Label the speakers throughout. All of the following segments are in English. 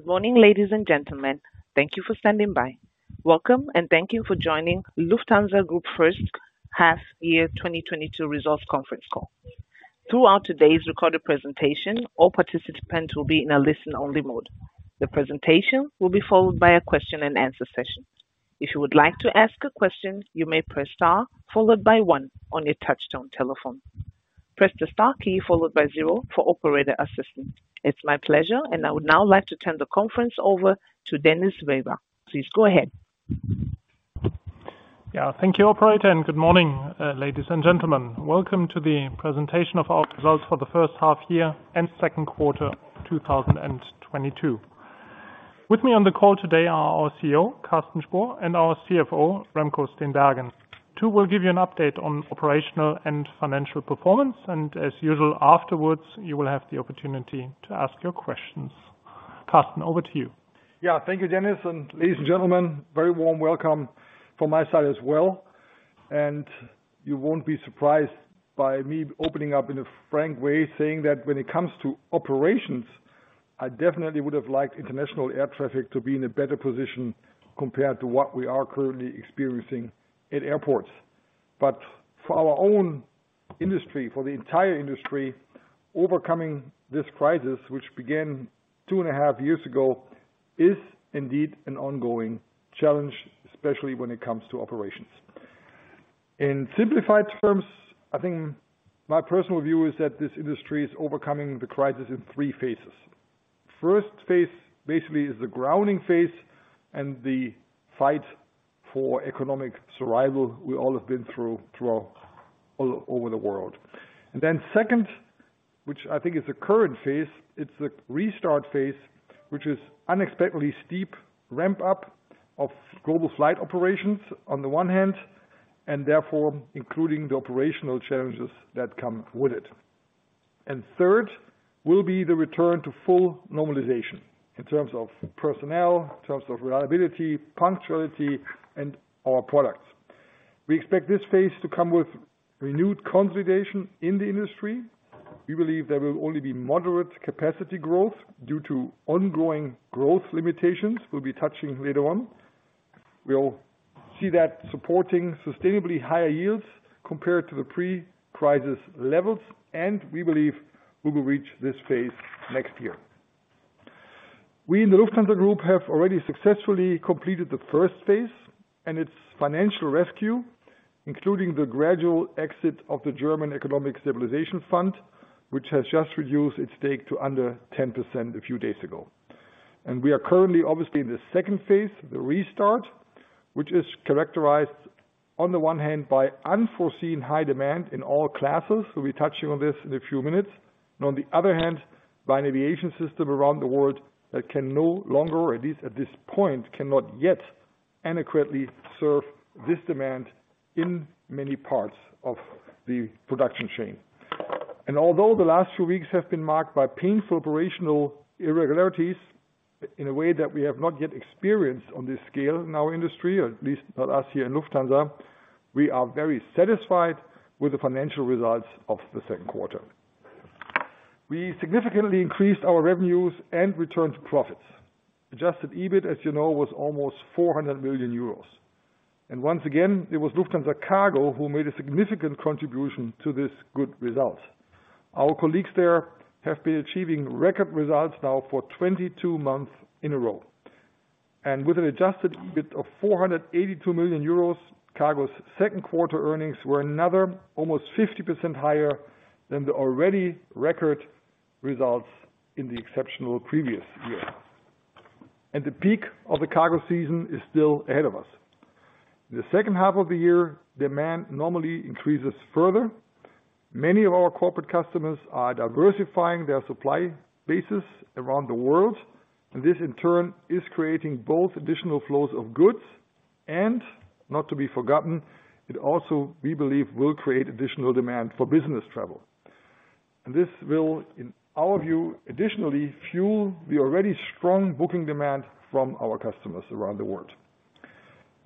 Speaker 1: Good morning, ladies and gentlemen. Thank you for standing by. Welcome, and thank you for joining Lufthansa Group first half-year 2022 results Conference Call. Throughout today's recorded presentation, all participants will be in a listen-only mode. The presentation will be followed by a question and answer session. If you would like to ask a question, you may press star followed by one on your touchtone telephone. Press the star key followed by zero for operator assistance. It's my pleasure, and I would now like to turn the conference over to Dennis Weber. Please go ahead.
Speaker 2: Yeah, thank you, operator, and good morning, ladies and gentlemen. Welcome to the presentation of our results for the first half-year and Q2 2022. With me on the call today are our CEO, Carsten Spohr, and our CFO, Remco Steenbergen. They will give you an update on operational and financial performance, and as usual, afterward, you will have the opportunity to ask your questions. Carsten, over to you.
Speaker 3: Yeah. Thank you, Dennis, and ladies and gentlemen, very warm welcome from my side as well. You won't be surprised by me opening up in a frank way, saying that when it comes to operations, I definitely would have liked international air traffic to be in a better position compared to what we are currently experiencing at airports. For our own industry, for the entire industry, overcoming this crisis, which began two and a half years ago, is indeed an ongoing challenge, especially when it comes to operations. In simplified terms, I think my personal view is that this industry is overcoming the crisis in three phases. First phase basically is the grounding phase and the fight for economic survival we all have been through all over the world. Second, which I think is the current phase, it's the restart phase, which is unexpectedly steep ramp up of global flight operations on the one hand, and therefore including the operational challenges that come with it. Third will be the return to full normalization in terms of personnel, in terms of reliability, punctuality, and our products. We expect this phase to come with renewed consolidation in the industry. We believe there will only be moderate capacity growth due to ongoing growth limitations we'll be touching later on. We'll see that supporting sustainably higher yields compared to the pre-crisis levels, and we believe we will reach this phase next year. We in the Lufthansa Group have already successfully completed the first phase and its financial rescue, including the gradual exit of the German Economic Stabilization Fund, which has just reduced its stake to under 10% a few days ago. We are currently, obviously, in the second phase, the restart, which is characterized on the one hand by unforeseen high-demand in all classes. We'll be touching on this in a few minutes. On the other hand, by an aviation system around the world that can no longer, or at least at this point, cannot yet adequately serve this demand in many parts of the production chain. Although the last few weeks have been marked by painful operational irregularities in a way that we have not yet experienced on this scale in our industry, or at least not us here in Lufthansa, we are very satisfied with the financial results of the Q2. We significantly increased our revenues and returned to profits. Adjusted EBIT, as you know, was almost 400 million euros. Once again, it was Lufthansa Cargo who made a significant contribution to this good result. Our colleagues there have been achieving record results now for 22 months in a row. With an adjusted EBIT of 482 million euros, cargo's Q2 earnings were another almost 50% higher than the already record results in the exceptional previous year. The peak of the cargo season is still ahead of us. The second half of the year, demand normally increases further. Many of our corporate customers are diversifying their supply bases around the world, and this in turn is creating both additional flows of goods and, not to be forgotten, it also, we believe, will create additional demand for business travel. This will, in our view, additionally fuel the already strong booking demand from our customers around the world.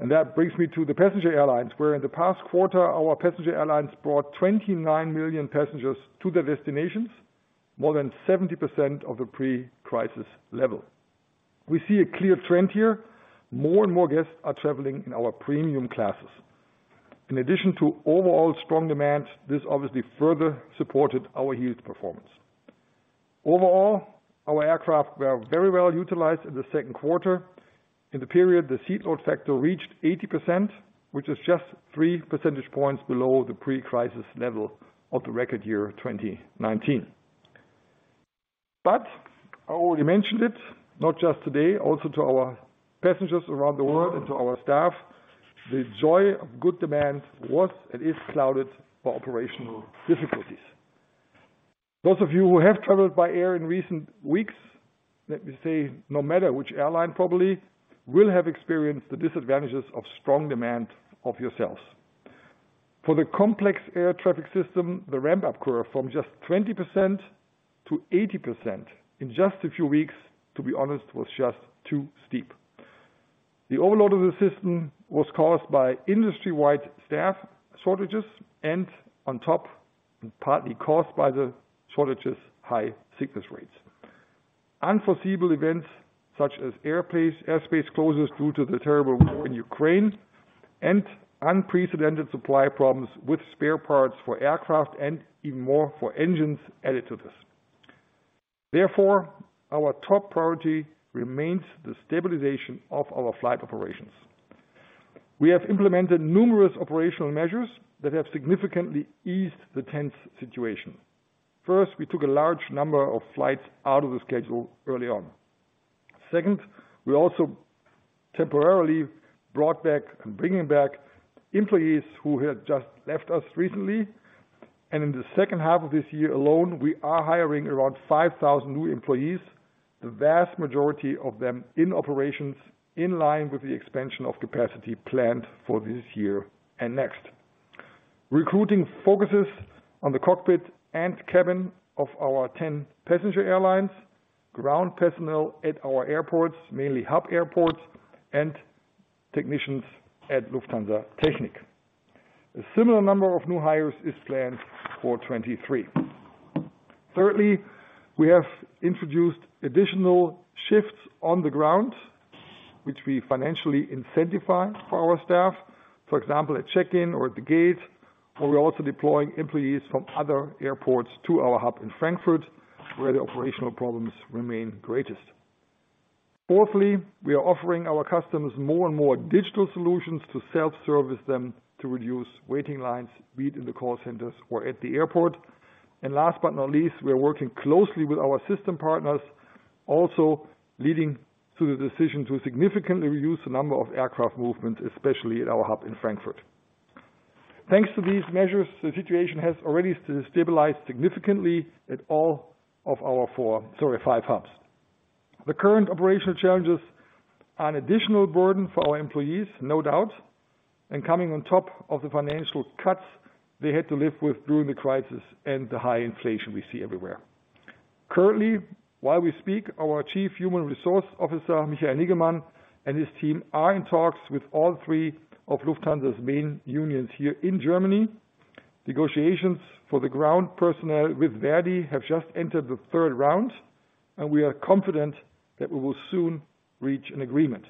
Speaker 3: That brings me to the passenger airlines, where in the past quarter, our passenger airlines brought 29 million passengers to their destinations, more than 70% of the pre-crisis level. We see a clear trend here. More and more guests are traveling in our premium classes. In addition to overall strong demand, this obviously further supported our huge performance. Overall, our aircraft were very well-utilized in the Q2. In the period, the seat load factor reached 80%, which is just 3 percentage points below the pre-crisis level of the record year of 2019. I already mentioned it, not just today, also to our passengers around the world and to our staff, the joy of good demand was and is clouded by operational difficulties. Those of you who have traveled by air in recent weeks, let me say, no matter which airline probably, will have experienced the disadvantages of strong demand of yourselves. For the complex air traffic system, the ramp-up curve from just 20% to 80% in just a few weeks, to be honest, was just too steep. The overload of the system was caused by industry-wide staff shortages and on top, partly caused by the shortages, high sickness rates. Unforeseeable events such as airspace closures due to the terrible war in Ukraine and unprecedented supply problems with spare parts for aircraft and even more for engines added to this. Therefore, our top priority remains the stabilization of our flight operations. We have implemented numerous operational measures that have significantly eased the tense situation. First, we took a large number of flights out of the schedule early on. Second, we also temporarily brought back, and bringing back employees who had just left us recently. In the second half of this year alone, we are hiring around 5,000 new employees, the vast majority of them in operations in line with the expansion of capacity planned for this year and next. Recruiting focuses on the cockpit and cabin of our 10 passenger airlines, ground personnel at our airports, mainly hub airports and technicians at Lufthansa Technik. A similar number of new hires is planned for 2023. Thirdly, we have introduced additional shifts on the ground, which we financially incentivize for our staff. For example, at check-in or at the gate, where we're also deploying employees from other airports to our hub in Frankfurt, where the operational problems remain greatest. Fourthly, we are offering our customers more and more digital solutions to self-service them to reduce waiting lines, be it in the call centers or at the airport. Last but not least, we are working closely with our system partners, also leading to the decision to significantly reduce the number of aircraft movement, especially at our hub in Frankfurt. Thanks to these measures, the situation has already stabilized significantly at all of our five hubs. The current operational challenges are an additional burden for our employees, no doubt, and coming on top of the financial cuts they had to live with during the crisis and the high-inflation we see everywhere. Currently, while we speak, our Chief Human Resources Officer, Michael Niggemann, and his team are in talks with all three of Lufthansa's main unions here in Germany. Negotiations for the ground personnel with ver.di have just entered the third round, and we are confident that we will soon reach an agreement.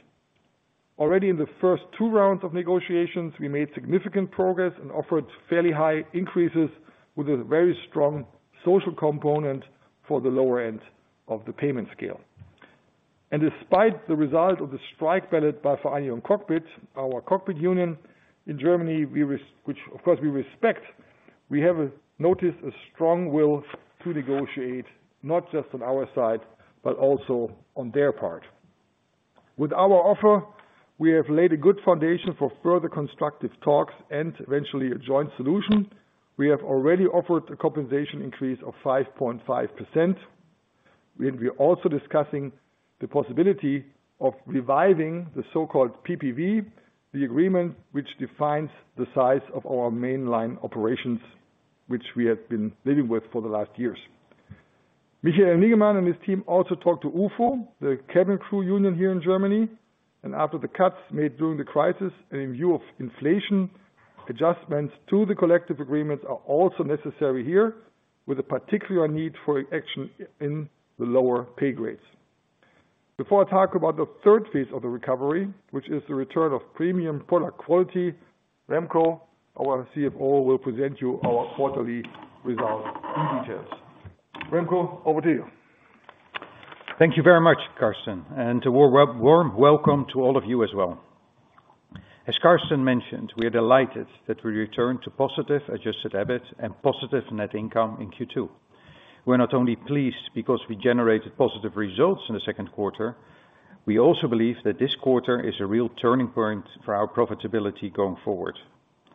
Speaker 3: Already in the first two rounds of negotiations, we made significant progress and offered fairly high increases with a very strong social component for the lower-end of the payment scale. Despite the result of the strike ballot by Vereinigung Cockpit, our cockpit union in Germany, which of course we respect, we have noticed a strong will to negotiate not just on our side, but also on their part. With our offer, we have laid a good foundation for further constructive talks and eventually a joint solution. We have already offered a compensation increase of 5.5%. We're also discussing the possibility of reviving the so-called PPV, the agreement which defines the size of our mainline operations, which we have been living with for the last years. Michael Niggemann and his team also talked to UFO, the cabin crew union here in Germany, and after the cuts made during the crisis and in view of inflation, adjustments to the collective agreements are also necessary here, with a particular need for action in the lower pay-grades. Before I talk about the third phase of the recovery, which is the return of premium product quality, Remco, our CFO, will present you our quarterly results in details. Remco, over to you.
Speaker 4: Thank you very much, Carsten, and a warm welcome to all of you as well. As Carsten mentioned, we are delighted that we returned to positive adjusted EBIT and positive net income in Q2. We're not only pleased because we generated positive results in the Q2, we also believe that this quarter is a real turning point for our profitability going forward.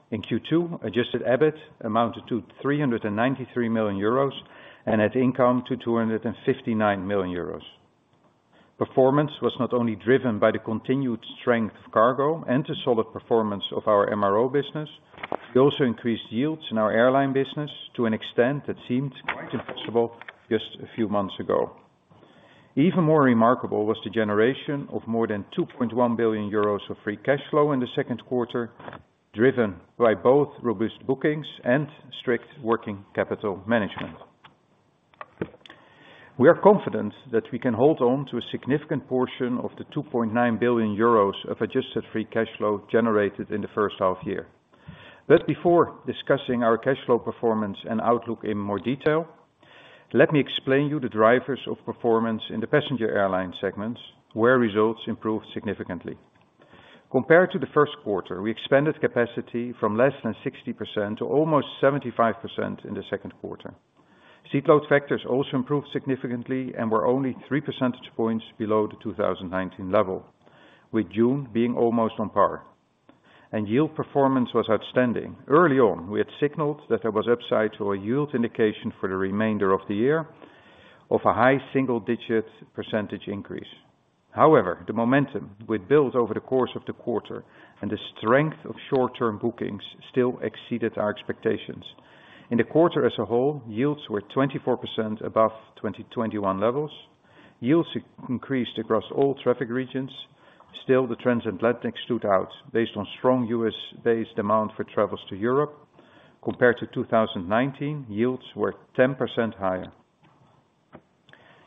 Speaker 4: In Q2, adjusted EBIT amounted to 393 million euros and net income to 259 million euros. Performance was not only driven by the continued strength of cargo and the solid performance of our MRO business, we also increased yields in our airline business to an extent that seemed quite impossible just a few months ago. Even more remarkable was the generation of more than 2.1 billion euros of free cash flow in the Q2, driven by both robust bookings and strict working capital management. We are confident that we can hold on to a significant portion of the 2.9 billion euros of adjusted free cash flow generated in the first half-year. Before discussing our cash flow performance and outlook in more detail, let me explain you the drivers of performance in the passenger airline segments, where results improved significantly. Compared to the Q1, we expanded capacity from less than 60% to almost 75% in the Q2. Seat load factors also improved significantly and were only three percentage points below the 2019 level, with June being almost on par. Yield performance was outstanding. Early on, we had signaled that there was upside to our yield indication for the remainder of the year of a high single-digit % increase. However, the momentum we'd built over the course of the quarter and the strength of short-term bookings still exceeded our expectations. In the quarter as a whole, yields were 24% above 2021 levels. Yields increased across all traffic regions. Still, the transatlantic stood out based on strong US-based demand for travels to Europe. Compared to 2019, yields were 10% higher.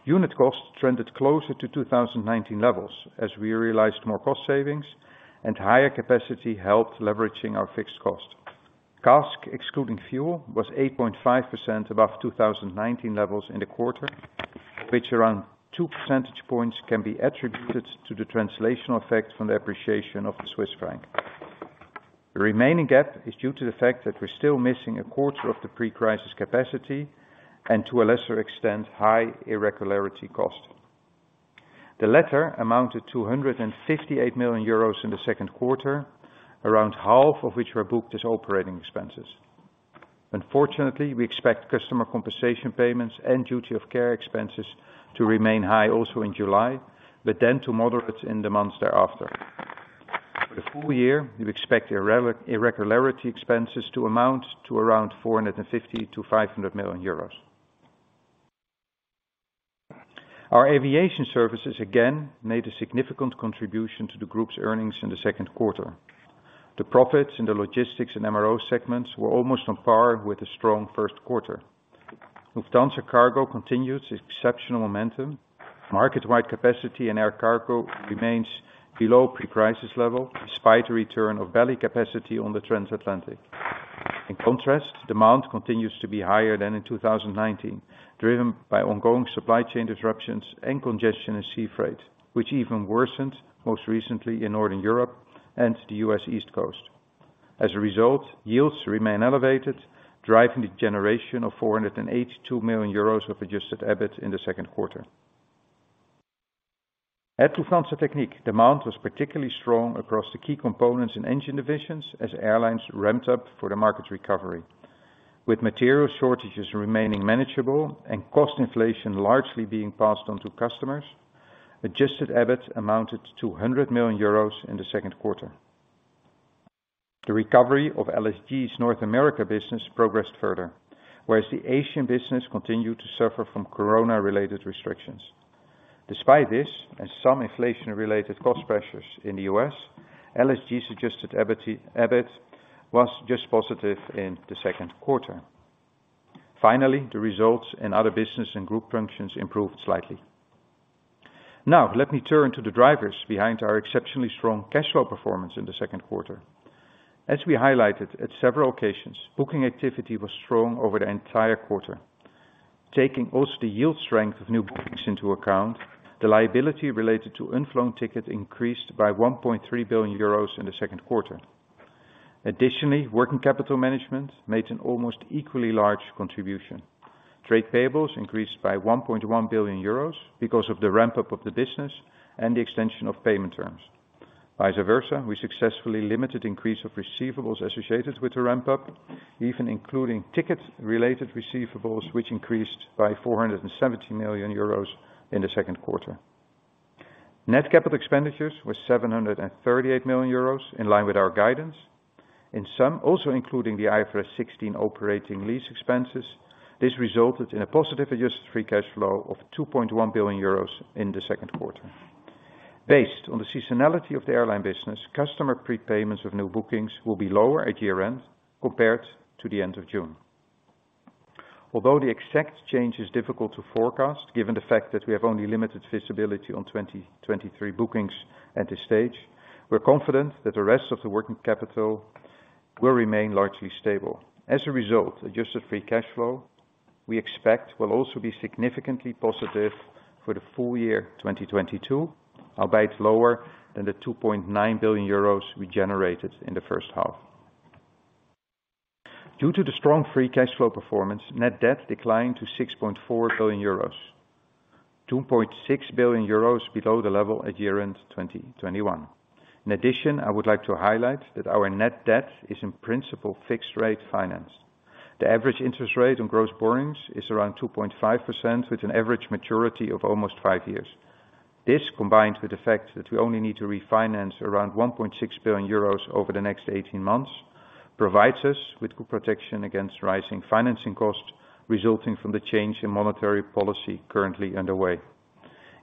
Speaker 4: Unit costs trended closer to 2019 levels as we realized more cost savings and higher-capacity helped leveraging our fixed cost. CASK, excluding fuel, was 8.5% above 2019 levels in the quarter, which around two percentage points can be attributed to the translational effect from the appreciation of the Swiss franc. The remaining gap is due to the fact that we're still missing a quarter of the pre-crisis capacity and to a lesser extent, high irregularity costs. The latter amounted to 158 million euros in the Q2, around half of which were booked as operating expenses. Unfortunately, we expect customer compensation payments and duty of care expenses to remain high also in July, but then to moderate in the months thereafter. For the full-year, we expect irregularity expenses to amount to around 450 million-500 million euros. Our aviation services again made a significant contribution to the group's earnings in the Q2. The profits in the logistics and MRO segments were almost on par with a strong Q1. Lufthansa Cargo continued its exceptional momentum. Market-wide capacity in air cargo remains below pre-crisis level despite the return of belly capacity on the transatlantic. In contrast, demand continues to be higher than in 2019, driven by ongoing supply chain disruptions and congestion in sea freight, which even worsened most recently in Northern Europe and the U.S. East Coast. As a result, yields remain elevated, driving the generation of 482 million euros of adjusted EBIT in the Q2. At Lufthansa Technik, demand was particularly strong across the key components in engine divisions as airlines ramped up for the market recovery. With material shortages remaining manageable and cost inflation largely being passed on to customers, adjusted EBIT amounted to 100 million euros in the Q2. The recovery of LSG's North America business progressed further, whereas the Asian business continued to suffer from Corona-related restrictions. Despite this, and some inflation-related cost pressures in the US, LSG's adjusted EBIT was just positive in the Q2. Finally, the results in other business and group functions improved slightly. Now, let me turn to the drivers behind our exceptionally strong cash flow performance in the Q2. As we highlighted at several occasions, booking activity was strong over the entire quarter. Taking also the yield strength of new bookings into account, the liability related to unflown ticket increased by 1.3 billion euros in the Q2. Additionally, working capital management made an almost equally large contribution. Trade payables increased by 1.1 billion euros because of the ramp-up of the business and the extension of payment terms. Vice versa, we successfully limited increase of receivables associated with the ramp-up, even including ticket-related receivables, which increased by 470 million euros in the Q2. Net capital expenditures were 738 million euros in line with our guidance. In sum, also including the IFRS 16 operating lease expenses, this resulted in a positive adjusted free cash flow of 2.1 billion euros in the Q2. Based on the seasonality of the airline business, customer prepayments of new bookings will be lower at year-end compared to the end of June. Although the exact change is difficult to forecast, given the fact that we have only limited visibility on 2023 bookings at this stage, we're confident that the rest of the working capital will remain largely stable. As a result, adjusted free cash flow, we expect, will also be significantly positive for the full-year 2022, albeit lower than the 2.9 billion euros we generated in the first half. Due to the strong free cash flow performance, net debt declined to 6.4 billion euros, 2.6 billion euros below the level at year-end 2021. In addition, I would like to highlight that our net debt is in principle fixed rate finance. The average interest rate on gross borrowings is around 2.5% with an average maturity of almost five years. This, combined with the fact that we only need to refinance around 1.6 billion euros over the next 18 months, provides us with good protection against rising financing costs resulting from the change in monetary policy currently underway.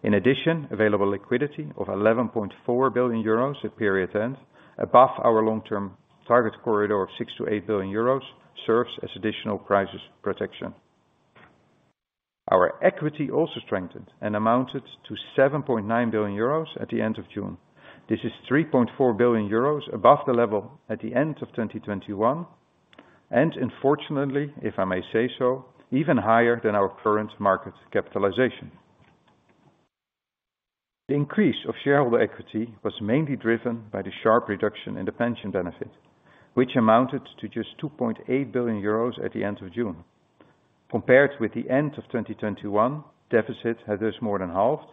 Speaker 4: In addition, available liquidity of 11.4 billion euros at period end, above our long-term target corridor of 6-8 billion euros, serves as additional crisis protection. Our equity also strengthened and amounted to 7.9 billion euros at the end of June. This is 3.4 billion euros above the level at the end of 2021, and unfortunately, if I may say so, even higher than our current market capitalization. The increase of shareholder equity was mainly driven by the sharp reduction in the pension benefit, which amounted to just 2.8 billion euros at the end of June. Compared with the end of 2021, deficit has just more than halved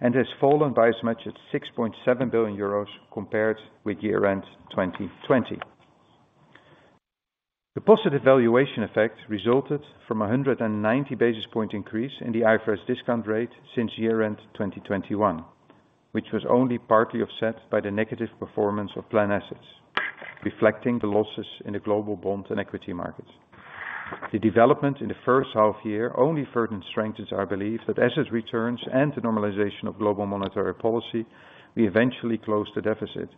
Speaker 4: and has fallen by as much as 6.7 billion euros compared with year-end 2020. The positive valuation effect resulted from a 190 basis point increase in the IFRS discount rate since year-end 2021, which was only partly offset by the negative performance of plan assets, reflecting the losses in the global bond and equity markets. The development in the first half-year only further strengthens our belief that as it returns and the normalization of global monetary policy, we eventually close the deficit.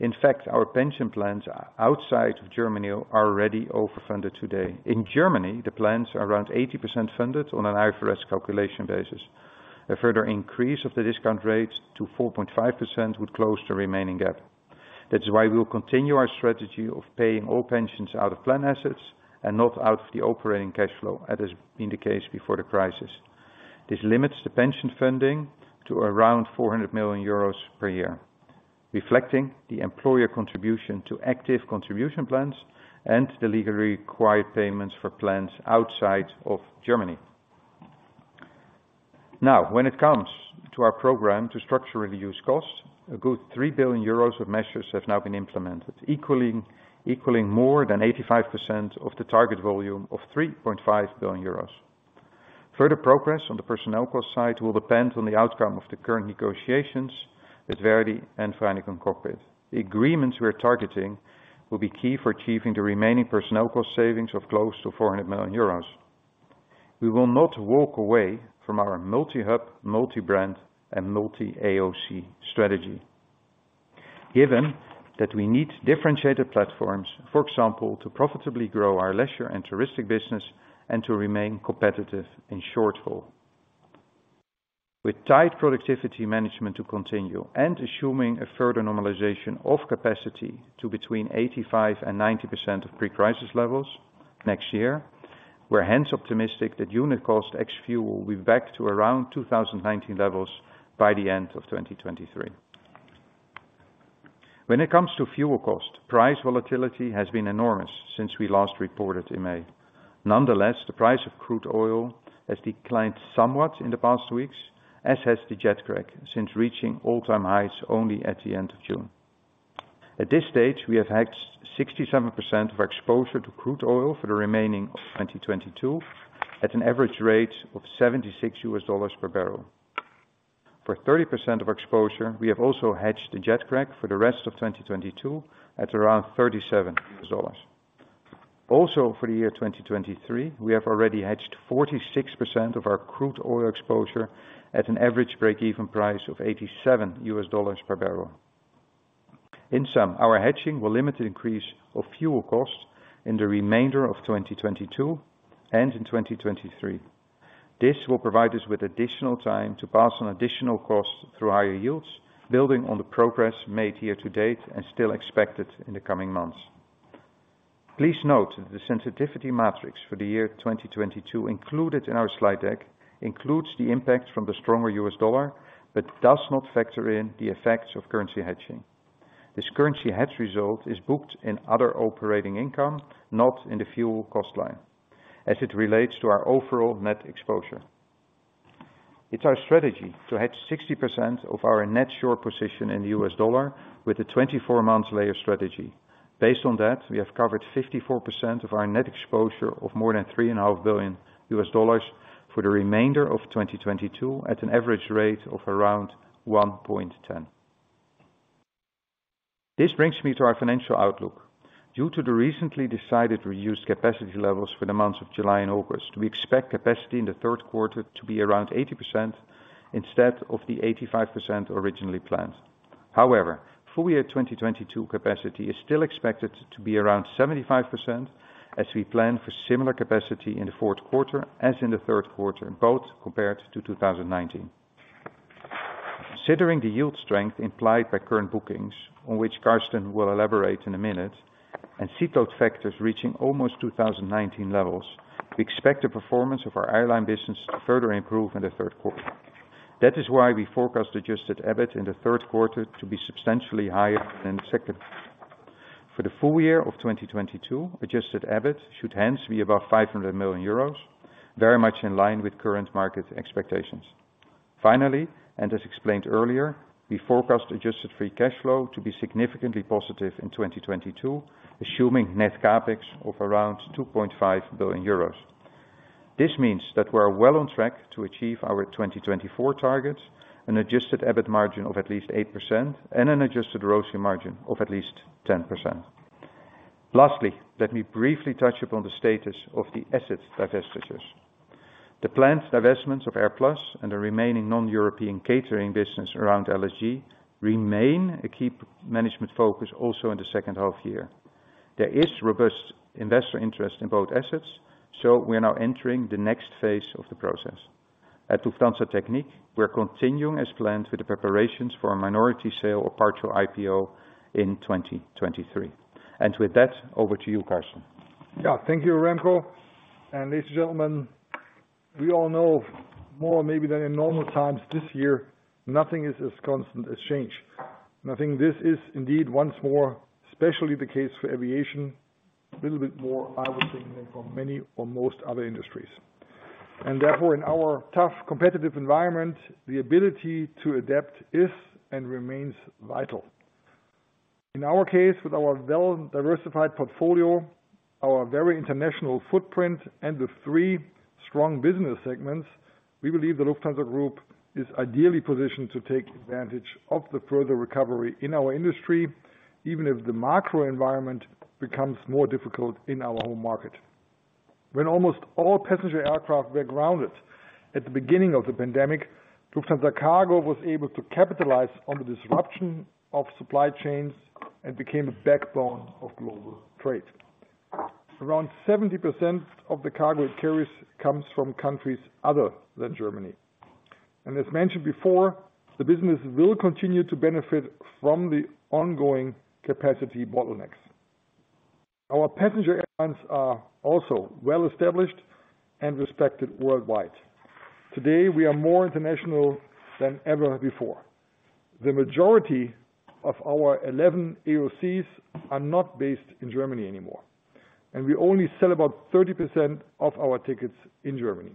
Speaker 4: In fact, our pension plans outside of Germany are already over-funded today. In Germany, the plans are around 80% funded on an IFRS calculation basis. A further increase of the discount rates to 4.5% would close the remaining gap. That's why we will continue our strategy of paying all pensions out of plan assets and not out of the operating cash flow as has been the case before the crisis. This limits the pension funding to around 400 million euros per year, reflecting the employer contribution to active contribution plans and the legally required payments for plans outside of Germany. Now, when it comes to our program to structurally reduce costs, a good 3 billion euros of measures have now been implemented, equaling more than 85% of the target volume of 3.5 billion euros. Further progress on the personnel cost side will depend on the outcome of the current negotiations with ver.di and Vereinigung Cockpit. The agreements we're targeting will be key for achieving the remaining personnel cost savings of close to 400 million euros. We will not walk away from our multi-hub, multi-brand and multi-AOC strategy. Given that we need differentiated platforms, for example, to profitably grow our leisure and touristic business and to remain competitive in short-haul. With tight productivity management to continue and assuming a further normalization of capacity to between 85% and 90% of pre-crisis levels next year, we're hence optimistic that unit cost ex-fuel will be back to around 2019 levels by the end of 2023. When it comes to fuel cost, price volatility has been enormous since we last reported in May. Nonetheless, the price of crude oil has declined somewhat in the past weeks, as has the jet crack since reaching all-time highs only at the end of June. At this stage, we have hedged 67% of our exposure to crude oil for the remaining of 2022 at an average rate of $76 per barrel. For 30% of exposure, we have also hedged the jet crack for the rest of 2022 at around $37. Also, for the year 2023, we have already hedged 46% of our crude oil exposure at an average break-even price of $87 per barrel. In sum, our hedging will limit the increase of fuel costs in the remainder of 2022 and in 2023. This will provide us with additional time to pass on additional costs through higher-yields, building on the progress made here to date and still expected in the coming months. Please note that the sensitivity matrix for the year 2022 included in our slide deck includes the impact from the stronger US dollar, but does not factor in the effects of currency hedging. This currency hedge result is booked in other operating income, not in the fuel cost line, as it relates to our overall net exposure. It's our strategy to hedge 60% of our net short position in the US dollar with a 24-month layer strategy. Based on that, we have covered 54% of our net exposure of more than $3.5 billion for the remainder of 2022 at an average rate of around 1.10. This brings me to our financial outlook. Due to the recently decided reduced capacity levels for the months of July and August, we expect capacity in the Q3 to be around 80% instead of the 85% originally planned. However, full-year 2022 capacity is still expected to be around 75% as we plan for similar capacity in the Q4 as in the Q3, both compared to 2019. Considering the yield strength implied by current bookings, on which Carsten will elaborate in a minute, and seat load factors reaching almost 2019 levels, we expect the performance of our airline business to further improve in the Q3. That is why we forecast adjusted EBIT in the Q3 to be substantially higher than the second. For the full-year of 2022, adjusted EBIT should hence be above 500 million euros, very much in line with current market expectations. Finally, and as explained earlier, we forecast adjusted free cash flow to be significantly positive in 2022, assuming net CapEx of around 2.5 billion euros. This means that we are well on track to achieve our 2024 targets, an adjusted EBIT margin of at least 8% and an adjusted ROCE margin of at least 10%. Lastly, let me briefly touch upon the status of the assets divestitures. The planned divestments of AirPlus and the remaining non-European catering business around LSG remain a key management focus also in the second half-year. There is robust investor interest in both assets, so we are now entering the next phase of the process. At Lufthansa Technik, we're continuing as planned with the preparations for a minority sale or partial IPO in 2023. With that, over to you, Carsten.
Speaker 3: Yeah. Thank you, Remco. Ladies and gentlemen, we all know, more maybe than in normal times this year, nothing is as constant as change. I think this is indeed once more, especially the case for aviation, a little bit more, I would think, than for many or most other industries. Therefore, in our tough competitive environment, the ability to adapt is and remains vital. In our case, with our well-diversified portfolio, our very international footprint and the three strong business segments. We believe the Lufthansa Group is ideally positioned to take advantage of the further recovery in our industry, even if the macro environment becomes more difficult in our home market. When almost all passenger aircraft were grounded at the beginning of the pandemic, Lufthansa Cargo was able to capitalize on the disruption of supply chains and became a backbone of global trade. Around 70% of the cargo it carries comes from countries other than Germany. As mentioned before, the business will continue to benefit from the ongoing capacity bottlenecks. Our passenger airlines are also well-established and respected worldwide. Today, we are more international than ever before. The majority of our 11 AOCs are not based in Germany anymore, and we only sell about 30% of our tickets in Germany.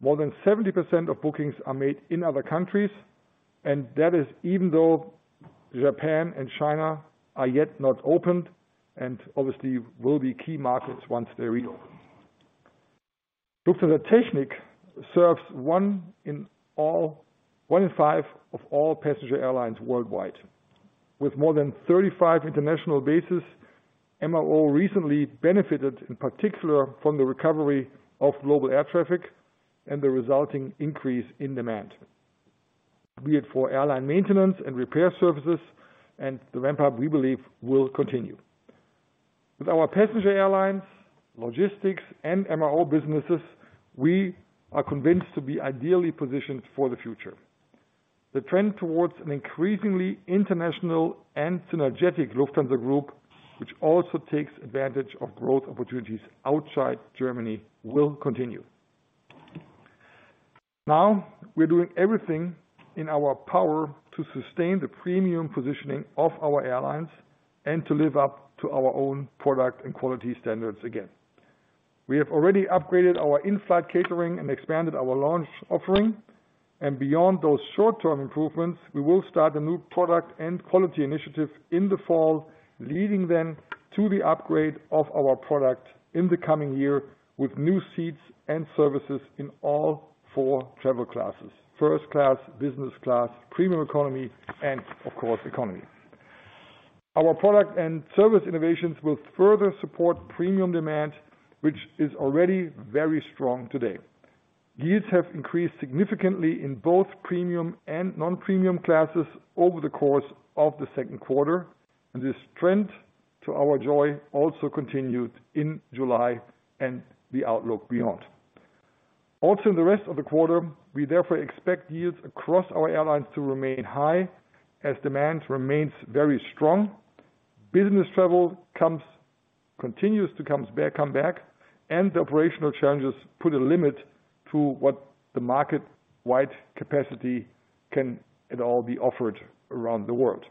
Speaker 3: More than 70% of bookings are made in other countries, and that is even though Japan and China are yet not opened and obviously will be key markets once they reopen. Lufthansa Technik serves one in five of all passenger airlines worldwide. With more than 35 international bases, MRO recently benefited in particular from the recovery of global air traffic and the resulting increase in demand, be it for airline maintenance and repair services, and the ramp up, we believe, will continue. With our passenger airlines, logistics, and MRO businesses, we are convinced to be ideally positioned for the future. The trend towards an increasingly international and synergetic Lufthansa Group, which also takes advantage of growth opportunities outside Germany, will continue. Now, we're doing everything in our power to sustain the premium positioning of our airlines and to live up to our own product and quality standards again. We have already upgraded our in-flight catering and expanded our lounge offering, and beyond those short-term improvements, we will start a new product and quality initiative in the fall, leading then to the upgrade of our product in the coming-year with new seats and services in all four travel classes, first class, business class, premium economy, and of course, economy. Our product and service innovations will further support premium demand, which is already very strong today. Yields have increased significantly in both premium and non-premium classes over the course of the Q2, and this trend, to our joy, also continued in July and the outlook beyond. Also in the rest of the quarter, we therefore expect yields across our airlines to remain high as demand remains very strong. Business travel continues to come back, and the operational challenges put a limit to what the market-wide capacity can at all be offered around the world.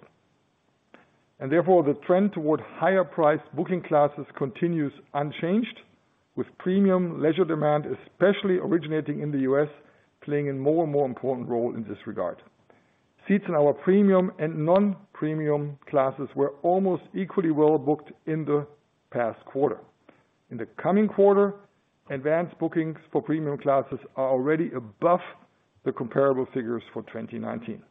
Speaker 3: Therefore, the trend toward higher-priced booking classes continues unchanged with premium leisure demand, especially originating in the U.S., playing a more and more important role in this regard. Seats in our premium and non-premium classes were almost equally well-booked in the past quarter. In the coming quarter, advanced bookings for premium classes are already above the comparable figures for 2019.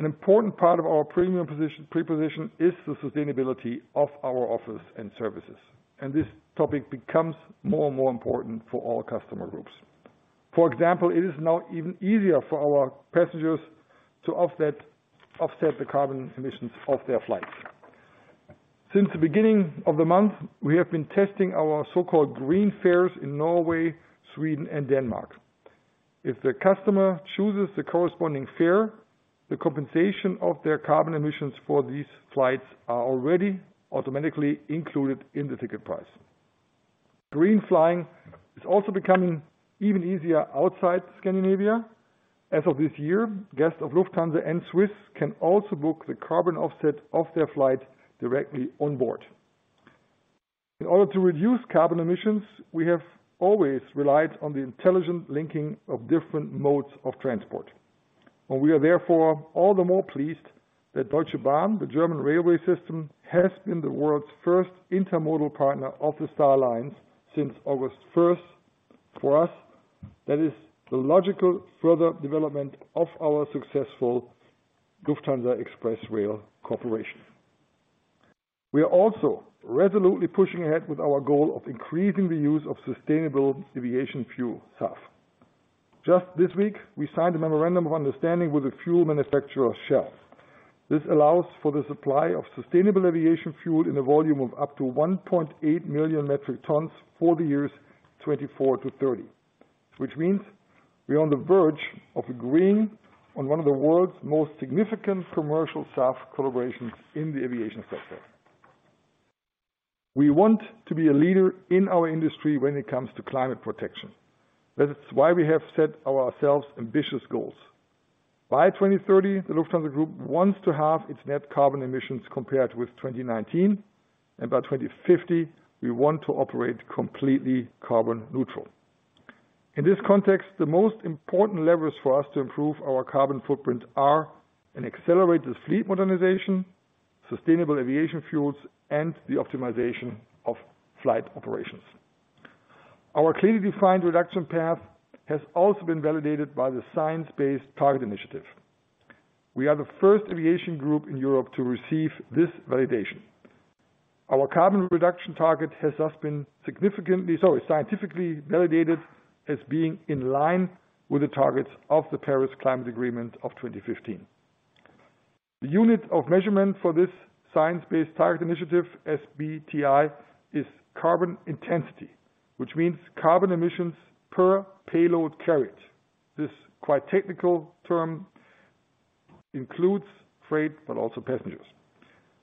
Speaker 3: An important part of our premium position is the sustainability of our offers and services, and this topic becomes more and more important for all customer groups. For example, it is now even easier for our passengers to offset the carbon emissions of their flights. Since the beginning of the month, we have been testing our so-called Green Fares in Norway, Sweden, and Denmark. If the customer chooses the corresponding fare, the compensation of their carbon emissions for these flights are already automatically included in the ticket price. Green flying is also becoming even easier outside Scandinavia. As of this year, guests of Lufthansa and Swiss can also book the carbon offset of their flight directly on board. In order to reduce carbon emissions, we have always relied on the intelligent linking of different modes of transport. We are therefore all the more pleased that Deutsche Bahn, the German railway system, has been the world's first intermodal partner of the Star Alliance since August first. For us, that is the logical further development of our successful Lufthansa Express Rail Corporation. We are also resolutely pushing ahead with our goal of increasing the use of sustainable aviation fuel, SAF. Just this week, we signed a memorandum of understanding with the fuel manufacturer Shell. This allows for the supply of sustainable aviation fuel in a volume of up to 1.8 million metric tons for the years 2024-2030, which means we're on the verge of agreeing on one of the world's most significant commercial SAF collaborations in the aviation sector. We want to be a leader in our industry when it comes to climate protection. That is why we have set ourselves ambitious goals. By 2030, the Lufthansa Group wants to halve its net carbon emissions compared with 2019, and by 2050, we want to operate completely carbon neutral. In this context, the most important levers for us to improve our carbon footprint are an accelerated fleet modernization, sustainable aviation fuels, and the optimization of flight operations. Our clearly defined reduction path has also been validated by the Science Based Targets initiative. We are the first aviation group in Europe to receive this validation. Our carbon reduction target has thus been scientifically validated as being in line with the targets of the Paris Agreement of 2015. The unit of measurement for this Science Based Targets initiative, SBTi, is carbon intensity, which means carbon emissions per payload carried. This quite technical term includes freight but also passengers.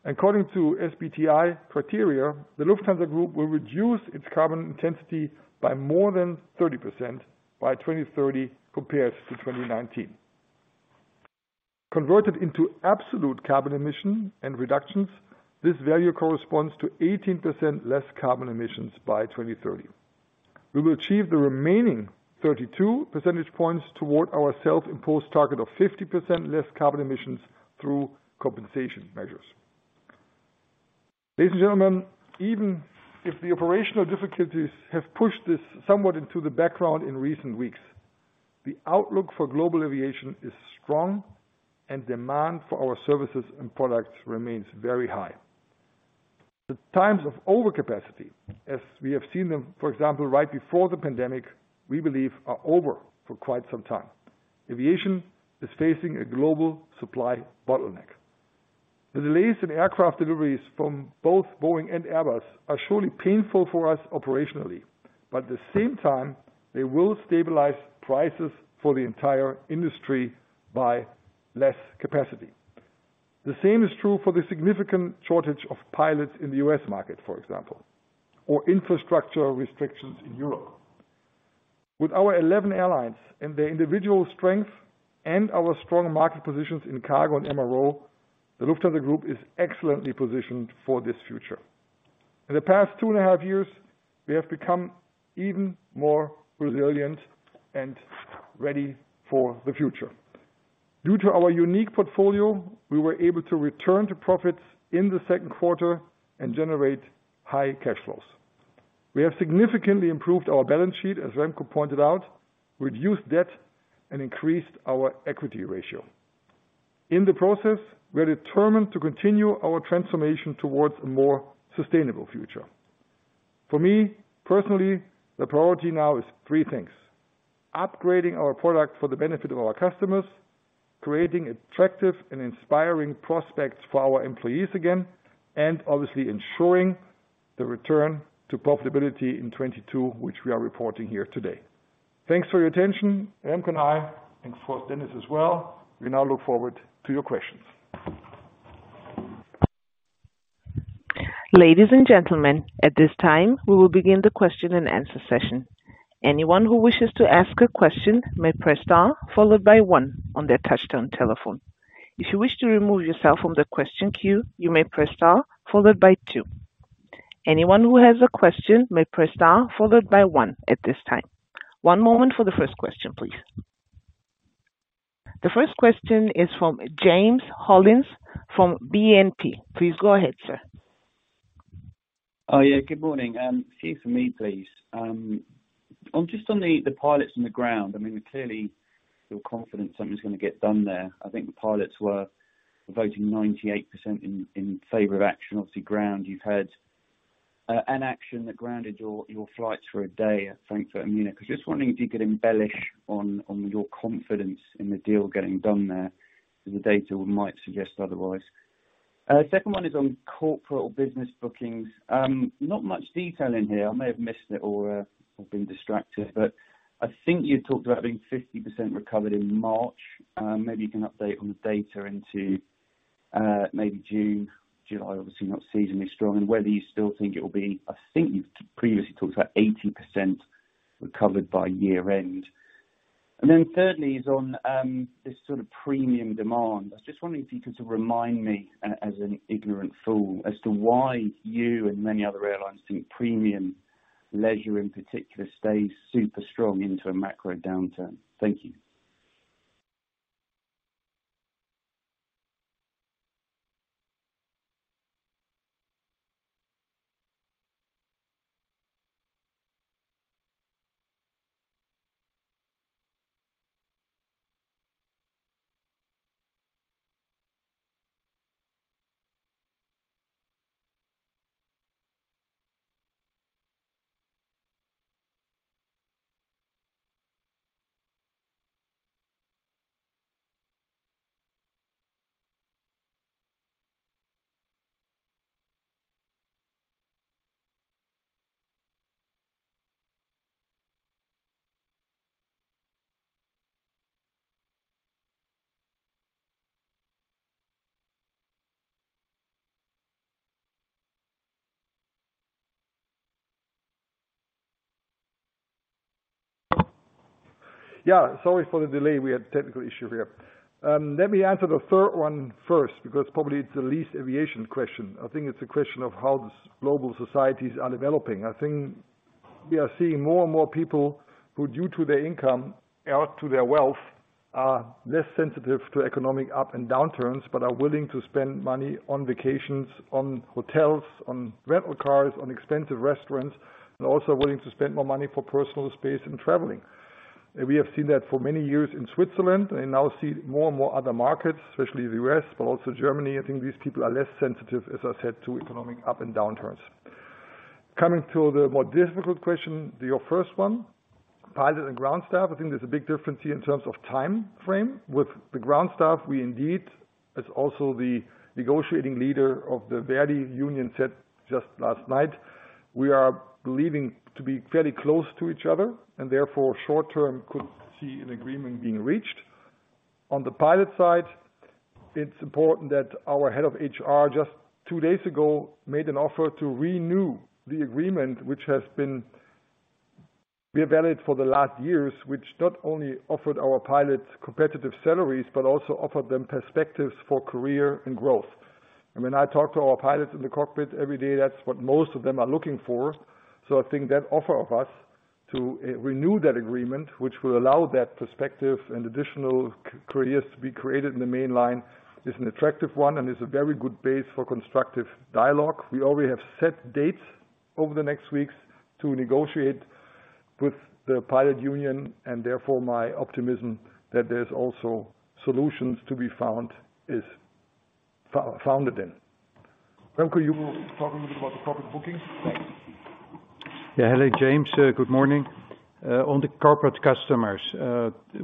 Speaker 3: According to SBTi criteria, the Lufthansa Group will reduce its carbon intensity by more than 30% by 2030 compared to 2019. Converted into absolute carbon emission and reductions, this value corresponds to 18% less carbon emissions by 2030. We will achieve the remaining 32 percentage points toward our self-imposed target of 50% less carbon emissions through compensation measures. Ladies and gentlemen, even if the operational difficulties have pushed this somewhat into the background in recent weeks, the outlook for global aviation is strong and demand for our services and products remains very high. The times of overcapacity, as we have seen them, for example, right before the pandemic, we believe are over for quite some time. Aviation is facing a global supply bottleneck. The delays in aircraft deliveries from both Boeing and Airbus are surely painful for us operationally, but at the same time, they will stabilize prices for the entire industry by less capacity. The same is true for the significant shortage of pilots in the US market, for example, or infrastructure restrictions in Europe. With our 11 airlines and their individual strength and our strong market positions in cargo and MRO, the Lufthansa Group is excellently positioned for this future. In the past two and a half-years, we have become even more resilient and ready for the future. Due to our unique portfolio, we were able to return to profits in the Q2 and generate high cash flows. We have significantly improved our balance sheet, as Remco pointed out, reduced debt, and increased our equity ratio. In the process, we are determined to continue our transformation towards a more sustainable future. For me, personally, the priority now is three things, upgrading our product for the benefit of our customers, creating attractive and inspiring prospects for our employees again, and obviously ensuring the return to profitability in 2022, which we are reporting here today. Thanks for your attention, Remco and I, and of course, Dennis as well. We now look forward to your questions.
Speaker 1: Ladies and gentlemen, at this time, we will begin the question and answer session. Anyone who wishes to ask a question may press star followed by one on their touch-tone telephone. If you wish to remove yourself from the question queue, you may press star followed by two. Anyone who has a question may press star followed by one at this time. One moment for the first question, please. The first question is from James Hollins from BNP. Please go ahead, sir.
Speaker 5: Oh, yeah, good morning. A few from me, please. On the pilots on the ground, I mean, clearly you're confident something's going to get done there. I think the pilots were voting 98% in favor of action. Obviously, ground you've had an action that grounded your flights for a day at Frankfurt and Munich. I was just wondering if you could embellish on your confidence in the deal getting done there, 'cause the data might suggest otherwise. Second one is on corporate or business bookings. Not much detail in here. I may have missed it or I've been distracted, but I think you talked about being 50% recovered in March. Maybe you can update on the data into maybe June. July, obviously not seasonally strong, and whether you still think it'll be. I think you've previously talked about 80% recovered by year-end. Then thirdly is on this sort of premium demand. I was just wondering if you could sort of remind me as an ignorant fool as to why you and many other airlines think premium leisure in particular stays super strong into a macro downturn. Thank you.
Speaker 3: Yeah, sorry for the delay. We had technical issue here. Let me answer the third one first because probably it's the least aviation question. I think it's a question of how the global societies are developing. I think we are seeing more and more people who due to their income or to their wealth are less sensitive to economic ups and downturns, but are willing to spend money on vacations, on hotels, on rental cars, on expensive restaurants, and also willing to spend more money for personal space and traveling. We have seen that for many years in Switzerland, and now we see more and more other markets, especially the U.S., but also Germany. I think these people are less sensitive, as I said, to economic ups and downturns. Coming to the more difficult question, your first one, pilot and ground staff. I think there's a big difference here in terms of time frame. With the ground staff, we indeed, as also the negotiating leader of the ver.di union said just last night, we are believing to be fairly close to each other and therefore short-term could see an agreement being reached. On the pilot side, it's important that our head of HR just two days ago made an offer to renew the agreement which has been valid for the last years, which not only offered our pilots competitive salaries, but also offered them perspectives for career and growth. When I talk to our pilots in the cockpit every day, that's what most of them are looking for. I think that offer of us to renew that agreement, which will allow that perspective and additional careers to be created in the mainline, is an attractive one and is a very good base for constructive dialogue. We already have set dates over the next weeks to negotiate with the pilot union, and therefore my optimism that there's also solutions to be found is founded then. Remco, you were talking about the corporate bookings.
Speaker 4: Yeah. Hello, James. Good morning. On the corporate customers,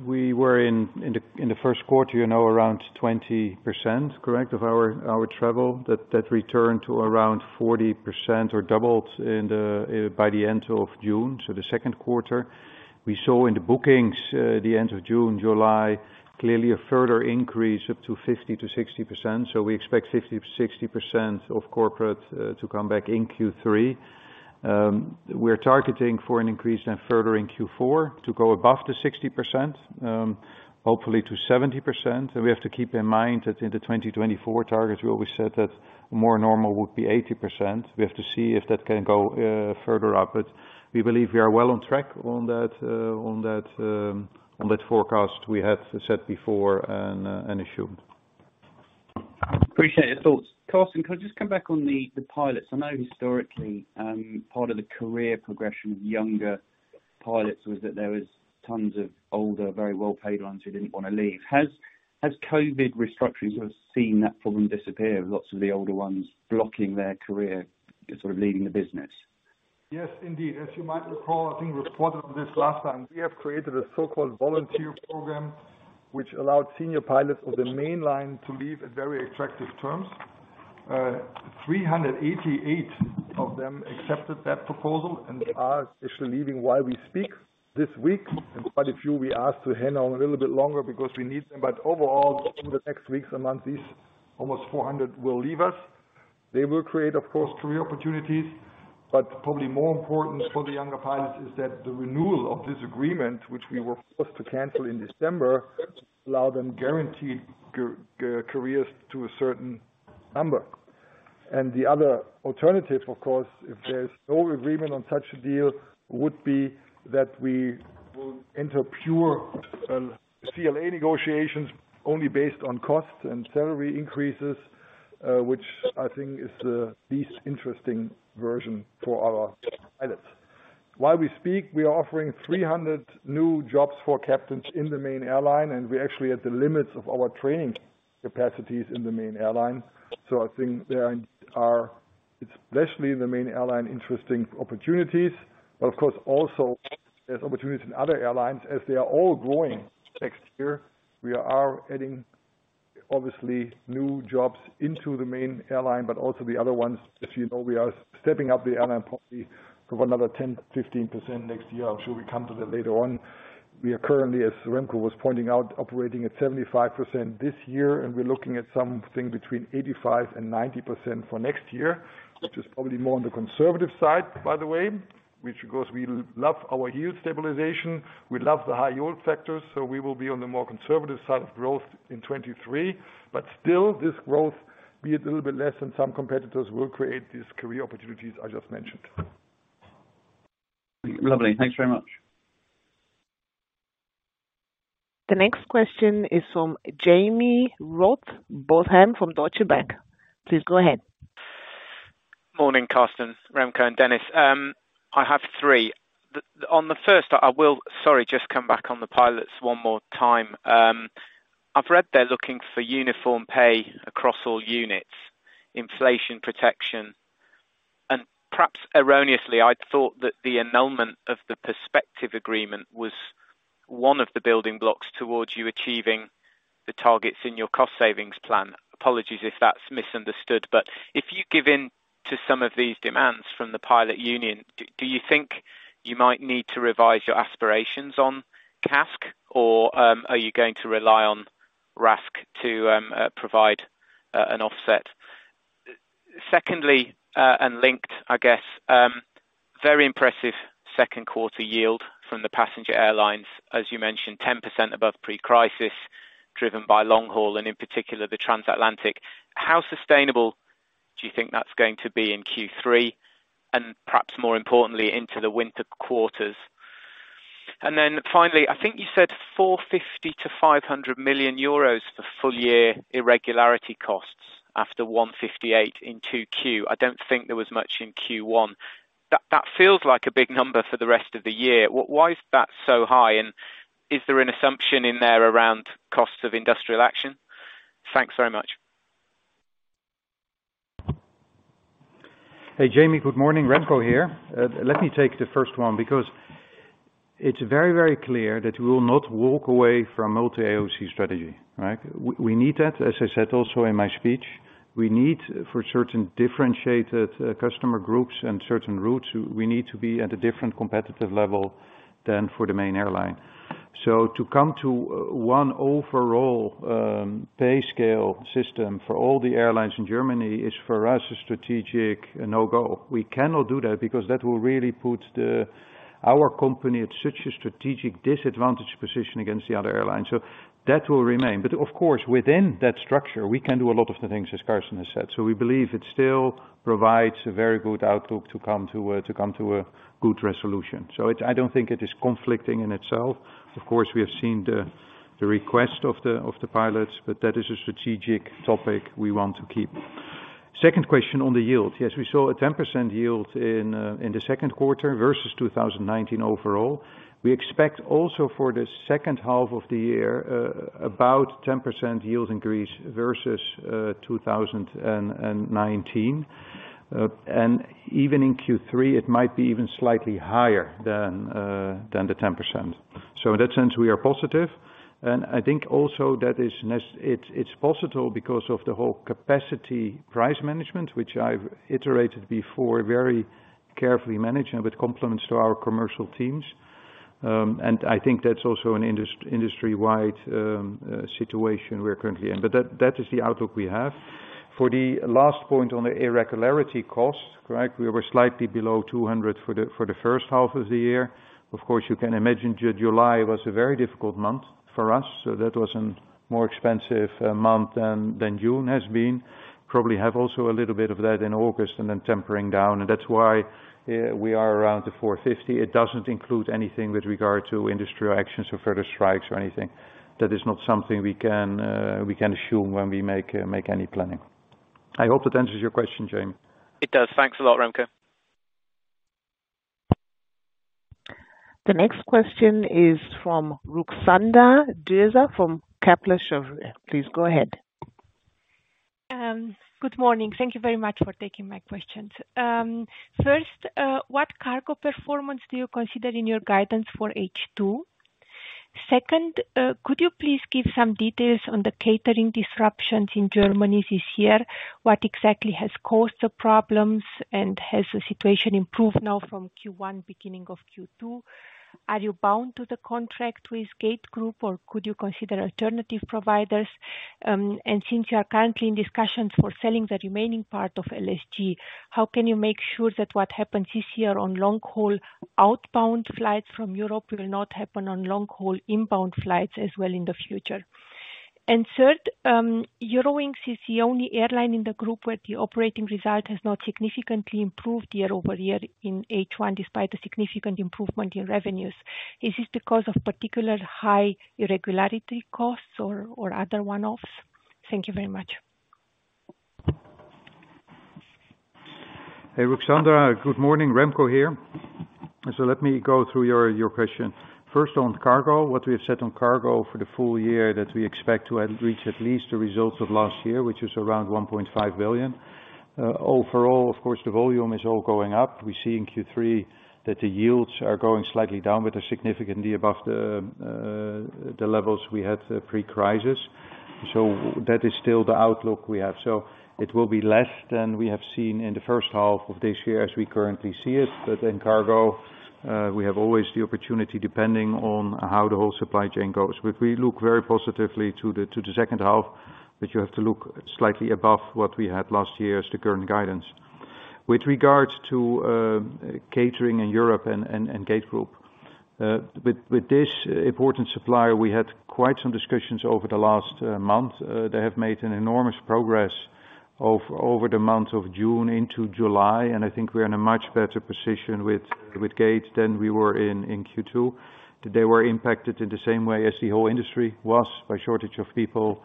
Speaker 4: we were in the Q1, you know, around 20%, correct, of our travel that returned to around 40% or doubled by the end of June. The Q2. We saw in the bookings the end of June, July, clearly a further increase up to 50%-60%. We expect 50%-60% of corporate to come back in Q3. We're targeting for an increase and further in Q4 to go above the 60%, hopefully to 70%. We have to keep in mind that in the 2024 targets, we always said that more normal would be 80%. We have to see if that can go further up, but we believe we are well on track on that forecast we had set before and assumed.
Speaker 5: Appreciate your thoughts. Carsten, could I just come back on the pilots? I know historically, part of the career progression of younger pilots was that there was tons of older, very well-paid ones who didn't want to leave. Has COVID restructuring sort of seen that problem disappear with lots of the older ones blocking their career sort of leaving the business?
Speaker 3: Yes, indeed. As you might recall, I think we reported this last time. We have created a so-called volunteer program which allowed senior pilots of the mainline to leave at very attractive terms. 388 of them accepted that proposal, and they are actually leaving while we speak this week. Quite a few we asked to hang on a little bit longer because we need them. Overall, in the next weeks and months, these almost 400 will leave us. They will create, of course, career opportunities, but probably more important for the younger pilots is that the renewal of this agreement, which we were forced to cancel in December, allow them guaranteed careers to a certain number. The other alternative, of course, if there's no agreement on such a deal, would be that we will enter pure CBA negotiations only based on costs and salary increases, which I think is the least interesting version for our pilots. While we speak, we are offering 300 new jobs for captains in the main airline, and we're actually at the limits of our training capacities in the main airline. I think there are, especially in the main airline, interesting opportunities, but of course also there's opportunities in other airlines as they are all growing next year. We are adding obviously new jobs into the main airline, but also the other ones. As you know, we are stepping up the airline probably for another 10%-15% next year. I'm sure we come to that later on. We are currently, as Remco was pointing out, operating at 75% this year, and we're looking at something between 85% and 90% for next year, which is probably more on the conservative side, by the way, which, of course, we love our yield stabilization. We love the high-yield factors. We will be on the more conservative side of growth in 2023. Still, this growth be a little bit less than some competitors will create these career opportunities I just mentioned.
Speaker 5: Lovely. Thanks very much.
Speaker 1: The next question is from Jaime Rowbotham from Deutsche Bank. Please go ahead.
Speaker 6: Morning, Carsten, Remco, and Dennis. I have three. On the first, sorry, just come back on the pilots one more time. I've read they're looking for uniform pay across all units, inflation protection, and perhaps erroneously, I'd thought that the annulment of the perspective agreement was one of the building blocks towards you achieving the targets in your cost savings plan. Apologies if that's misunderstood, but if you give in to some of these demands from the pilot union, do you think you might need to revise your aspirations on CASK, or are you going to rely on RASK to provide an offset? Secondly, and linked, I guess, very impressive Q2 yield from the passenger airlines, as you mentioned, 10% above pre-crisis, driven by long-haul and in particular the Transatlantic. How sustainable do you think that's going to be in Q3 and perhaps more importantly into the winter quarters? Finally, I think you said 450 million-500 million euros for full-year irregularity costs after 158 in 2Q. I don't think there was much in Q1. That feels like a big number for the rest of the year. Why is that so high? Is there an assumption in there around costs of industrial action? Thanks very much.
Speaker 4: Hey, Jaime. Good morning, Remco here. Let me take the first one because it's very, very clear that we will not walk away from multi AOC strategy, right? We need that. As I said also in my speech, we need for certain differentiated customer groups and certain routes, we need to be at a different competitive level than for the main airline. To come to one overall pay scale system for all the airlines in Germany is, for us, a strategic no-go. We cannot do that because that will really put our company at such a strategic disadvantage position against the other airlines. That will remain. Of course, within that structure, we can do a lot of the things as Carsten has said. We believe it still provides a very good outlook to come to a good resolution. I don't think it is conflicting in itself. Of course, we have seen the request of the pilots, but that is a strategic topic we want to keep. Second question on the yield. Yes, we saw a 10% yield in the Q2 versus 2019 overall. We expect also for the second half of the year about 10% yield increase versus 2019. Even in Q3, it might be even slightly higher than the 10%. In that sense, we are positive. I think also that is it's possible because of the whole capacity price management, which I've iterated before, very carefully managed, and with compliments to our commercial teams. I think that's also an industry-wide situation we're currently in. That is the outlook we have. For the last point on the irregularity cost, right? We were slightly below 200 for the first half of the year. Of course, you can imagine July was a very difficult month for us, so that was a more expensive month than June has been. Probably have also a little bit of that in August and then tempering down. That's why we are around 450. It doesn't include anything with regard to industry actions or further strikes or anything. That is not something we can assume when we make any planning. I hope that answers your question, Jaime.
Speaker 6: It does. Thanks a lot, Remco.
Speaker 1: The next question is from Ruxandra Döser, from Kepler Cheuvreux. Please go ahead.
Speaker 7: Good morning. Thank you very much for taking my questions. First, what cargo performance do you consider in your guidance for H2? Second, could you please give some details on the catering disruptions in Germany this year? What exactly has caused the problems, and has the situation improved now from Q1, beginning of Q2? Are you bound to the contract with gategroup, or could you consider alternative providers? Since you are currently in discussions for selling the remaining part of LSG, how can you make sure that what happens this year on long-haul outbound flights from Europe will not happen on long-haul inbound flights as well in the future? Third, Eurowings is the only airline in the group where the operating result has not significantly improved year-over-year in H1, despite a significant improvement in revenues. Is this because of particularly high irregularity costs or other one-offs? Thank you very much.
Speaker 4: Hey, Ruxandra. Good morning, Remco here. Let me go through your question. First on cargo. What we have said on cargo for the full-year that we expect to have reached at least the results of last year, which is around 1.5 billion. Overall, of course, the volume is all going up. We see in Q3 that the yields are going slightly down, but they're significantly above the levels we had pre-crisis. That is still the outlook we have. It will be less than we have seen in the first half of this year as we currently see it. But in cargo, we have always the opportunity, depending on how the whole supply chain goes. We look very positively to the second half, but you have to look slightly above what we had last year as the current guidance. With regards to catering in Europe and gategroup. With this important supplier, we had quite some discussions over the last month. They have made an enormous progress over the month of June into July, and I think we're in a much better position with gategroup than we were in Q2. They were impacted in the same way as the whole industry was by shortage of people,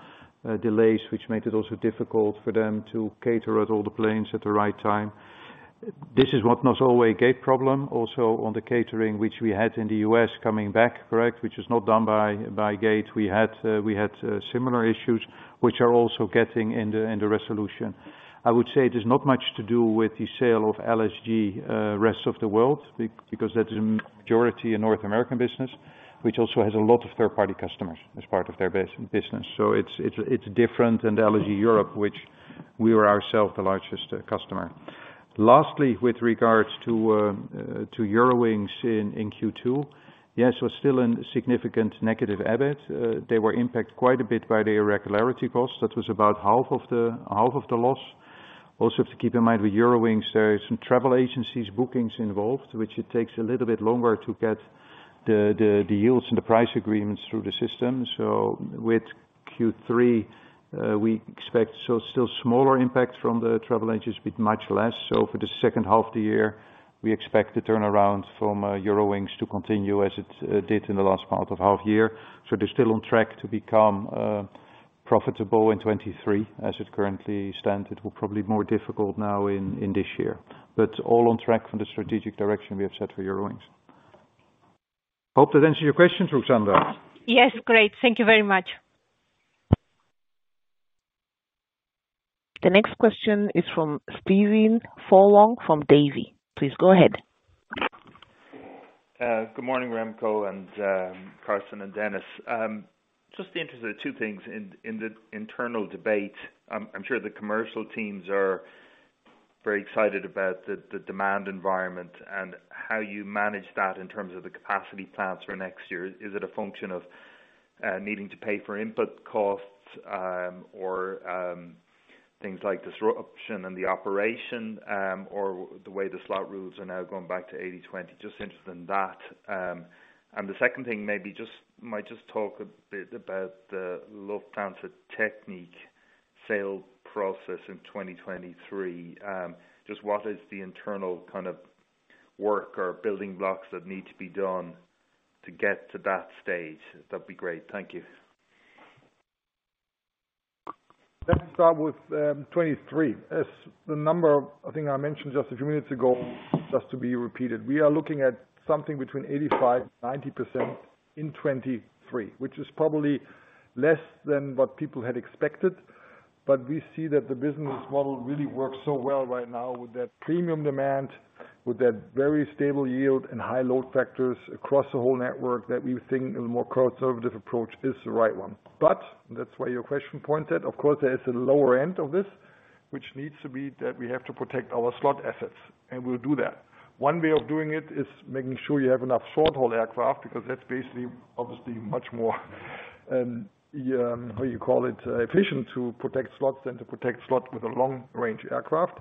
Speaker 4: delays, which made it also difficult for them to cater all the planes at the right time. This is what was always a gategroup problem. Also on the catering which we had in the US coming back, correct, which is not done by gategroup. We had similar issues which are also getting in the resolution. I would say it is not much to do with the sale of LSG rest of the world, because that is majority a North American business, which also has a lot of third-party customers as part of their business. It's different than the LSG Europe, which we are ourselves the largest customer. Lastly, with regards to Eurowings in Q2. Yes, it was still in significant negative EBIT. They were impacted quite a bit by the irregularity cost. That was about half of the loss. Also to keep in mind with Eurowings, there is some travel agencies bookings involved, which it takes a little bit longer to get the yields and the price agreements through the system. With Q3, we expect a still smaller impact from the travel agents with much less. For the second half of the year, we expect the turnaround from Eurowings to continue as it did in the last part of half-year. They're still on track to become profitable in 2023 as it currently stands. It will probably be more difficult now in this year. All on track from the strategic direction we have set for Eurowings. Hope that answers your question, Ruxandra.
Speaker 7: Yes. Great. Thank you very much.
Speaker 1: The next question is from Stephen Furlong from Davy. Please go ahead.
Speaker 8: Good morning, Remco and Carsten and Dennis. Just interested in two things in the internal debate. I'm sure the commercial teams are very excited about the demand environment and how you manage that in terms of the capacity plans for next year. Is it a function of needing to pay for input costs, or things like disruption in the operation, or the way the slot rules are now going back to 80/20? Just interested in that. The second thing might just talk a bit about the Lufthansa Technik sale process in 2023. Just what is the internal kind of work or building blocks that need to be done to get to that stage? That'd be great. Thank you.
Speaker 3: Let's start with 2023. As the number I think I mentioned just a few minutes ago, just to be repeated, we are looking at something between 85%-90% in 2023, which is probably less than what people had expected. We see that the business model really works so well right now with that premium demand, with that very stable yield and high-load factors across the whole network that we think a more conservative approach is the right one. That's where your question pointed. Of course, there is a lower-end of this, which needs to be that we have to protect our slot assets, and we'll do that. One way of doing it is making sure you have enough short-haul aircraft, because that's basically obviously much more efficient to protect slots than to protect slots with a long-range aircraft.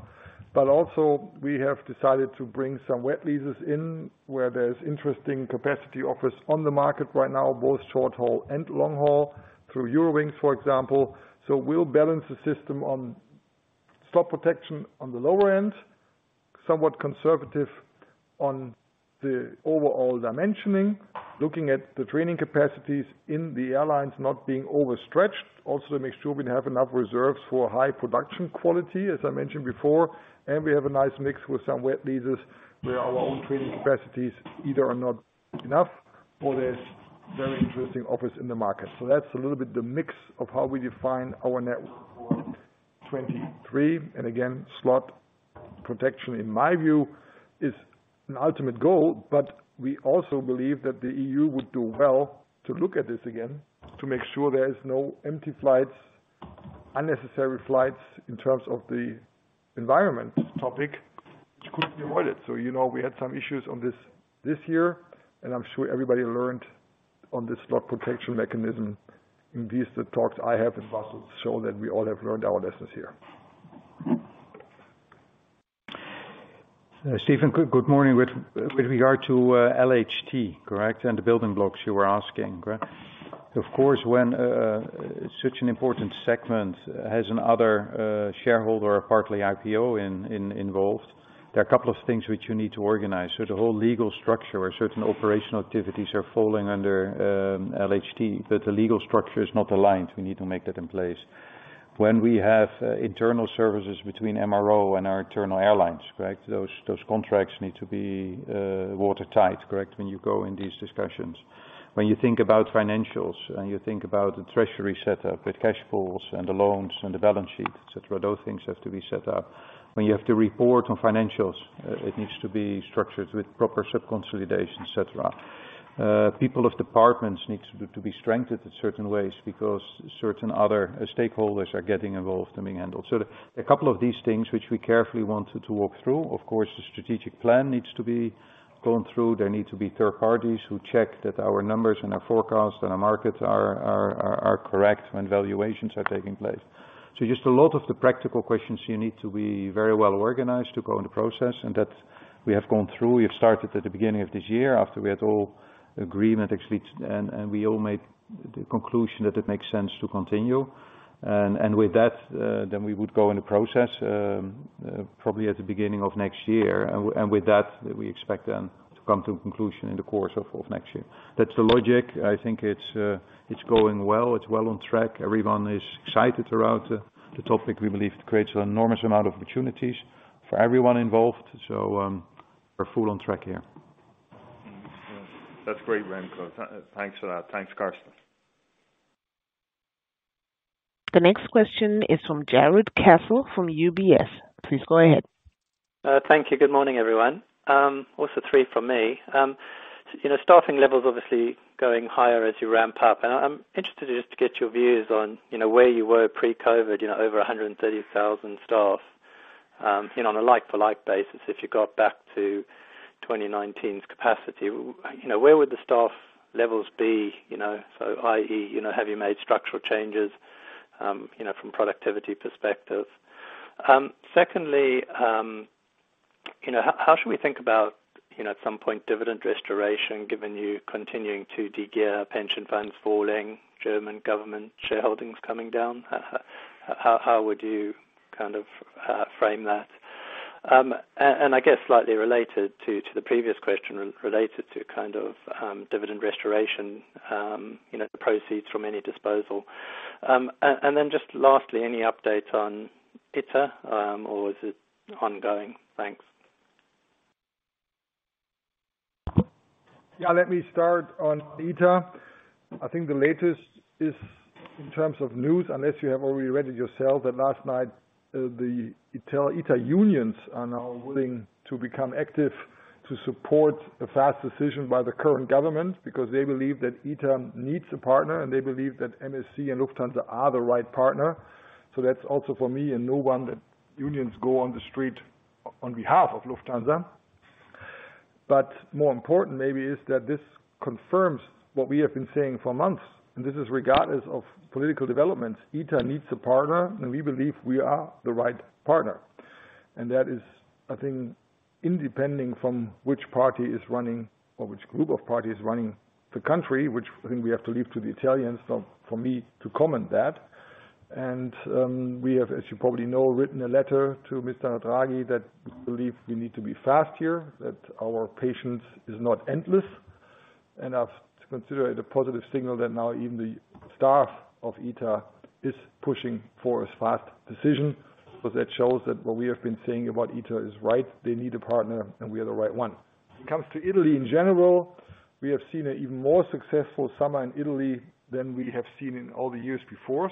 Speaker 3: Also we have decided to bring some wet leases in where there's interesting capacity offers on the market right now, both short-haul and long-haul, through Eurowings for example. We'll balance the system on slot protection on the lower-end, somewhat conservative on the overall dimensioning, looking at the training capacities in the airlines not being overstretched, also to make sure we have enough reserves for high-production quality, as I mentioned before. We have a nice mix with some wet leases where our own training capacities either are not enough or there's very interesting offers in the market. That's a little bit the mix of how we define our network for 2023. Again, slot protection in my view is an ultimate goal, but we also believe that the EU would do well to look at this again to make sure there is no empty flights, unnecessary flights in terms of the environment topic which could be avoided. You know, we had some issues on this this year, and I'm sure everybody learned on the slot protection mechanism in these, the talks I have in Brussels show that we all have learned our lessons here.
Speaker 4: Stephen, good morning. With regard to LHT, correct, and the building blocks you were asking, correct? Of course, when such an important segment has another shareholder, partly IPO involved, there are a couple of things which you need to organize. The whole legal structure where certain operational activities are falling under LHT, but the legal structure is not aligned. We need to make that in place. When we have internal services between MRO and our internal airlines, correct, those contracts need to be watertight, correct, when you go in these discussions. When you think about financials, and you think about the treasury setup, with cash flows and the loans and the balance sheet, et cetera, those things have to be set up. When you have to report on financials, it needs to be structured with proper sub-consolidation, et cetera. People of departments need to be strengthened in certain ways because certain other stakeholders are getting involved and being handled. A couple of these things which we carefully wanted to walk through. Of course, the strategic plan needs to be gone through. There need to be third parties who check that our numbers and our forecasts and our markets are correct when valuations are taking place. Just a lot of the practical questions you need to be very well-organized to go in the process. That we have gone through. We have started at the beginning of this year after we had all agreement actually, and we all made the conclusion that it makes sense to continue. With that, then we would go in the process, probably at the beginning of next year. With that, we expect then to come to a conclusion in the course of next year. That's the logic. I think it's going well. It's well on track. Everyone is excited throughout the topic. We believe it creates an enormous amount of opportunities for everyone involved. We're fully on track here.
Speaker 8: That's great, Remco. Thanks a lot. Thanks, Carsten.
Speaker 1: The next question is from Jarrod Castle from UBS. Please go ahead.
Speaker 9: Thank you. Good morning, everyone. Also three from me. You know, staffing levels obviously going higher as you ramp up, and I'm interested just to get your views on, you know, where you were pre-COVID, you know, over 130,000 staff, you know, on a like-for-like basis, if you got back to 2019's capacity, you know, where would the staff levels be, you know? So i.e., you know, have you made structural changes, you know, from productivity perspective? Secondly, you know, how should we think about, you know, at some point dividend restoration, given you continuing to de-gear pension funds falling, German government shareholdings coming down? How would you kind of frame that? I guess slightly related to the previous question related to kind of dividend restoration, you know, the proceeds from any disposal. Then just lastly, any updates on ITA, or is it ongoing? Thanks.
Speaker 3: Yeah, let me start on ITA. I think the latest is in terms of news, unless you have already read it yourself, that last night, the ITA unions are now willing to become active to support a fast decision by the current government because they believe that ITA needs a partner, and they believe that MSC and Lufthansa are the right partner. So that's also for me, a new one that unions go on the street on behalf of Lufthansa. More important maybe is that this confirms what we have been saying for months, and this is regardless of political developments, ITA needs a partner, and we believe we are the right partner. That is, I think, independent from which party is running or which group of parties running the country, which I think we have to leave to the Italians for me to comment that. We have, as you probably know, written a letter to Mr. Draghi that we believe we need to be fast here, that our patience is not endless. I have to consider it a positive signal that now even the staff of ITA is pushing for a fast decision, because that shows that what we have been saying about ITA is right. They need a partner, and we are the right one. When it comes to Italy in general, we have seen an even more successful summer in Italy than we have seen in all the years before.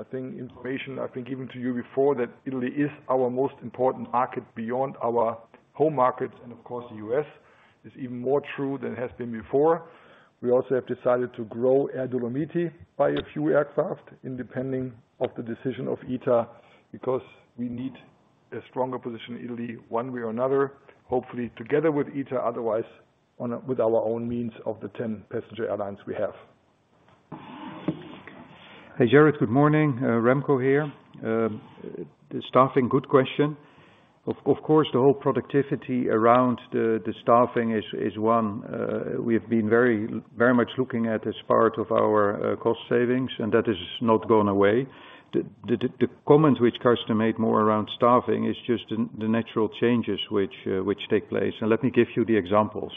Speaker 3: I think the information I have given you before that Italy is our most important market beyond our home markets, and of course, the US is even more true than it has been before. We also have decided to grow Air Dolomiti by a few aircraft, independent of the decision of ITA, because we need a stronger position in Italy one way or another, hopefully together with ITA, otherwise with our own means of the 10 passenger airlines we have.
Speaker 4: Hey, Jarrod. Good morning. Remco here. Staffing, good question. Of course, the whole productivity around the staffing is one. We have been very much looking at as part of our cost savings, and that has not gone away. The comment which Carsten made more around staffing is just the natural changes which take place. Let me give you the examples.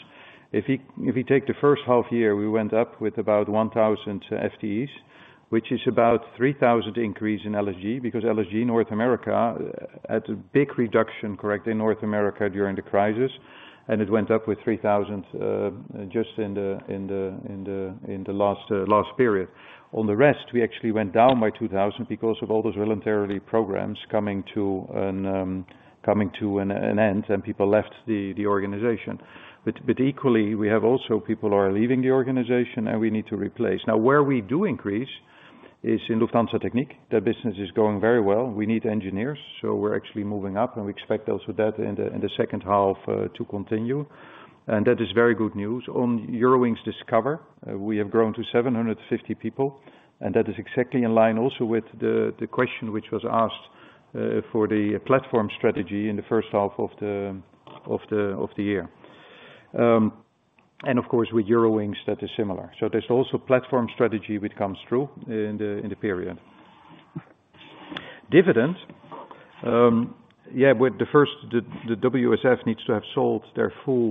Speaker 4: If you take the first half-year, we went up with about 1,000 FTEs, which is about 3,000 increase in LSG, because LSG North America had a big reduction, correct, in North America during the crisis, and it went up with 3,000, just in the last period. On the rest, we actually went down by 2,000 because of all those voluntary programs coming to an end, and people left the organization. Equally, we have also people who are leaving the organization, and we need to replace. Now, where we do increase is in Lufthansa Technik. That business is going very well. We need engineers, so we're actually moving up, and we expect also that in the second half to continue. That is very good news. On Eurowings Discover, we have grown to 750 people, and that is exactly in line also with the question which was asked for the platform strategy in the first half of the year. Of course, with Eurowings, that is similar. There's also platform strategy which comes through in the period. Dividends. With the WSF needs to have sold their full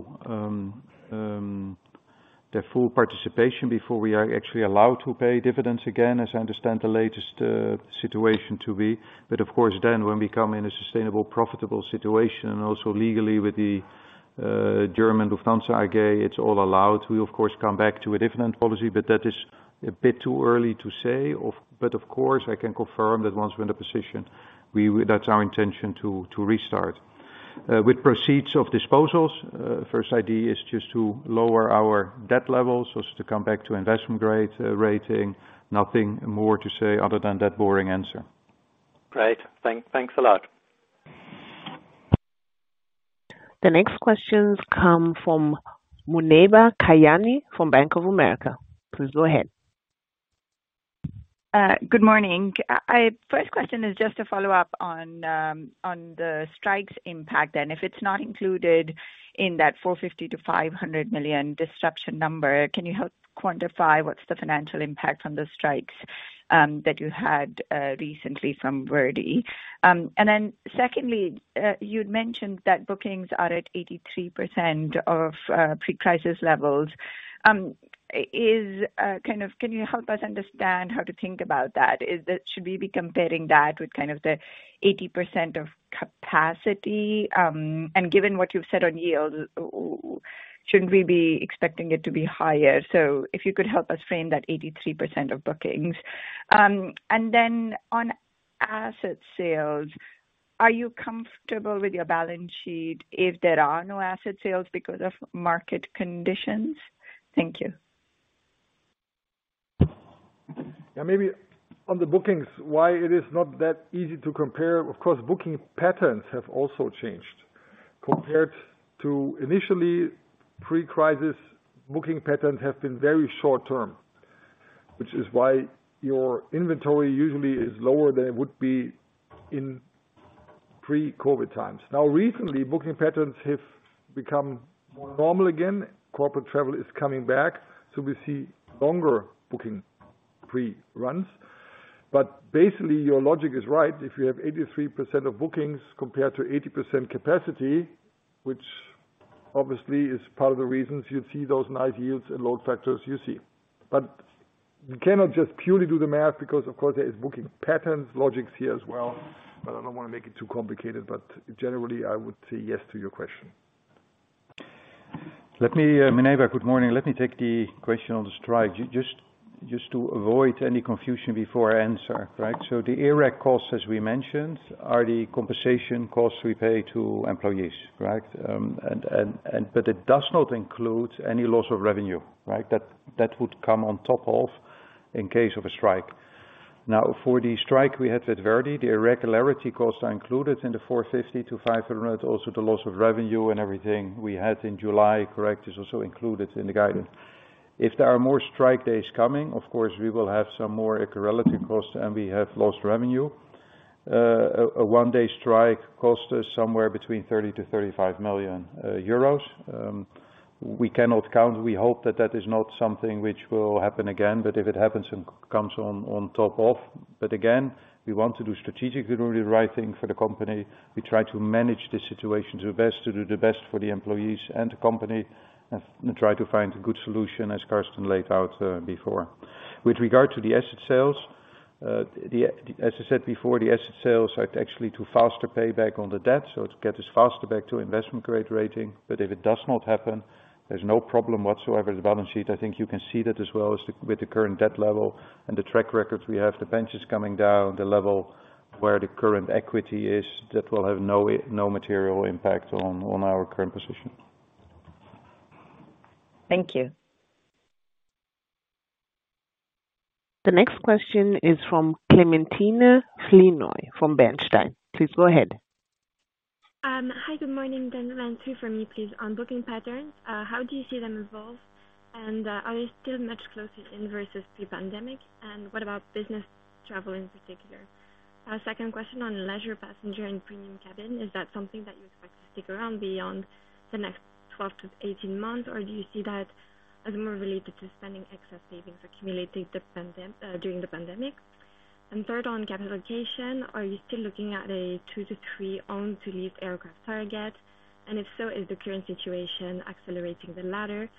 Speaker 4: participation before we are actually allowed to pay dividends again, as I understand the latest situation to be. Of course then when we come in a sustainable, profitable situation and also legally with the Deutsche Lufthansa AG, it's all allowed. We of course come back to a dividend policy, that is a bit too early to say. Of course, I can confirm that once we're in the position, we will. That's our intention to restart. With proceeds of disposals, first idea is just to lower our debt levels so as to come back to investment grade rating. Nothing more to say other than that boring answer.
Speaker 9: Great. Thanks a lot.
Speaker 1: The next questions come from Muneeba Kayani from Bank of America. Please go ahead.
Speaker 10: Good morning. First question is just a follow-up on the strikes impact, and if it's not included in that 450 million-500 million disruption number, can you help quantify what's the financial impact from the strikes that you had recently from ver.di? Then secondly, you'd mentioned that bookings are at 83% of pre-crisis levels. Is kind of can you help us understand how to think about that? Is it should we be comparing that with kind of the 80% of capacity, and given what you've said on yield, shouldn't we be expecting it to be higher? If you could help us frame that 83% of bookings. On asset sales, are you comfortable with your balance sheet if there are no asset sales because of market conditions? Thank you.
Speaker 3: Yeah, maybe on the bookings, why it is not that easy to compare. Of course, booking patterns have also changed compared to initially pre-crisis booking patterns have been very short-term. Which is why your inventory usually is lower than it would be in pre-COVID times. Now, recently, booking patterns have become more normal again. corporate-travel is coming back, so we see longer booking pre-runs. Basically, your logic is right. If you have 83% of bookings compared to 80% capacity, which obviously is part of the reasons you see those nice yields and load factors you see. You cannot just purely do the math because, of course, there is booking patterns, logics here as well. I don't want to make it too complicated, but generally, I would say yes to your question.
Speaker 4: Let me, Muneeba, good morning. Let me take the question on the strike. Just to avoid any confusion before I answer, right? The ERAC costs, as we mentioned, are the compensation costs we pay to employees, right? But it does not include any loss of revenue, right? That would come on top of in case of a strike. For the strike we had with ver.di, the irregularity costs are included in the 450-500 million. Also, the loss of revenue and everything we had in July, correct, is also included in the guidance. If there are more strike days coming, of course, we will have some more irregularity costs and we have lost revenue. A one-day strike costs us somewhere between 30-35 million euros. We cannot count. We hope that that is not something which will happen again, but if it happens and comes on top of. Again, we want to do strategically the right thing for the company. We try to manage the situation the best, to do the best for the employees and the company, and try to find a good solution, as Carsten laid out, before. With regard to the asset sales, as I said before, the asset sales are actually to faster pay back on the debt, so to get us faster back to investment-grade rating. If it does not happen, there's no problem whatsoever with the balance sheet. I think you can see that as well as with the current debt level and the track record we have, the debt is coming down the level where the current equity is. That will have no material impact on our current position.
Speaker 10: Thank you.
Speaker 1: The next question is from Clementina Flinoy from Bernstein. Please go ahead.
Speaker 11: Hi, good morning. Two for me, please. On booking patterns, how do you see them evolve, and, are they still much closer in versus pre-pandemic? What about business travel in particular? Second question on leisure passenger and premium cabin, is that something that you expect to stick around beyond the next 12 to 18 months? Or do you see that as more related to spending excess savings accumulated during the pandemic? Third, on capitalization, are you still looking at a 2-3 own to lease aircraft target? If so, is the current situation accelerating the latter,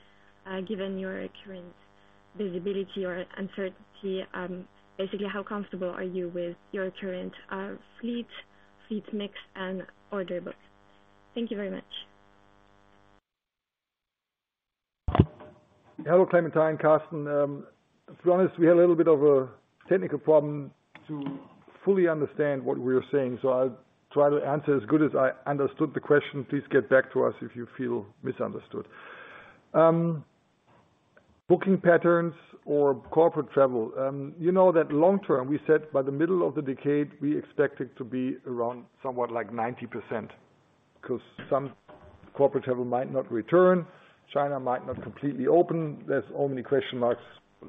Speaker 11: given your current visibility or uncertainty? Basically, how comfortable are you with your current fleet mix and order book? Thank you very much.
Speaker 3: Hello, Clementina and Carsten. To be honest, we had a little bit of a technical problem to fully understand what we are saying, so I'll try to answer as good as I understood the question. Please get back to us if you feel misunderstood. Booking patterns or corporate-travel. You know that long-term, we said by the middle of the decade, we expect it to be around somewhat like 90%, 'cause some corporate-travel might not return. China might not completely open. There's so many question marks.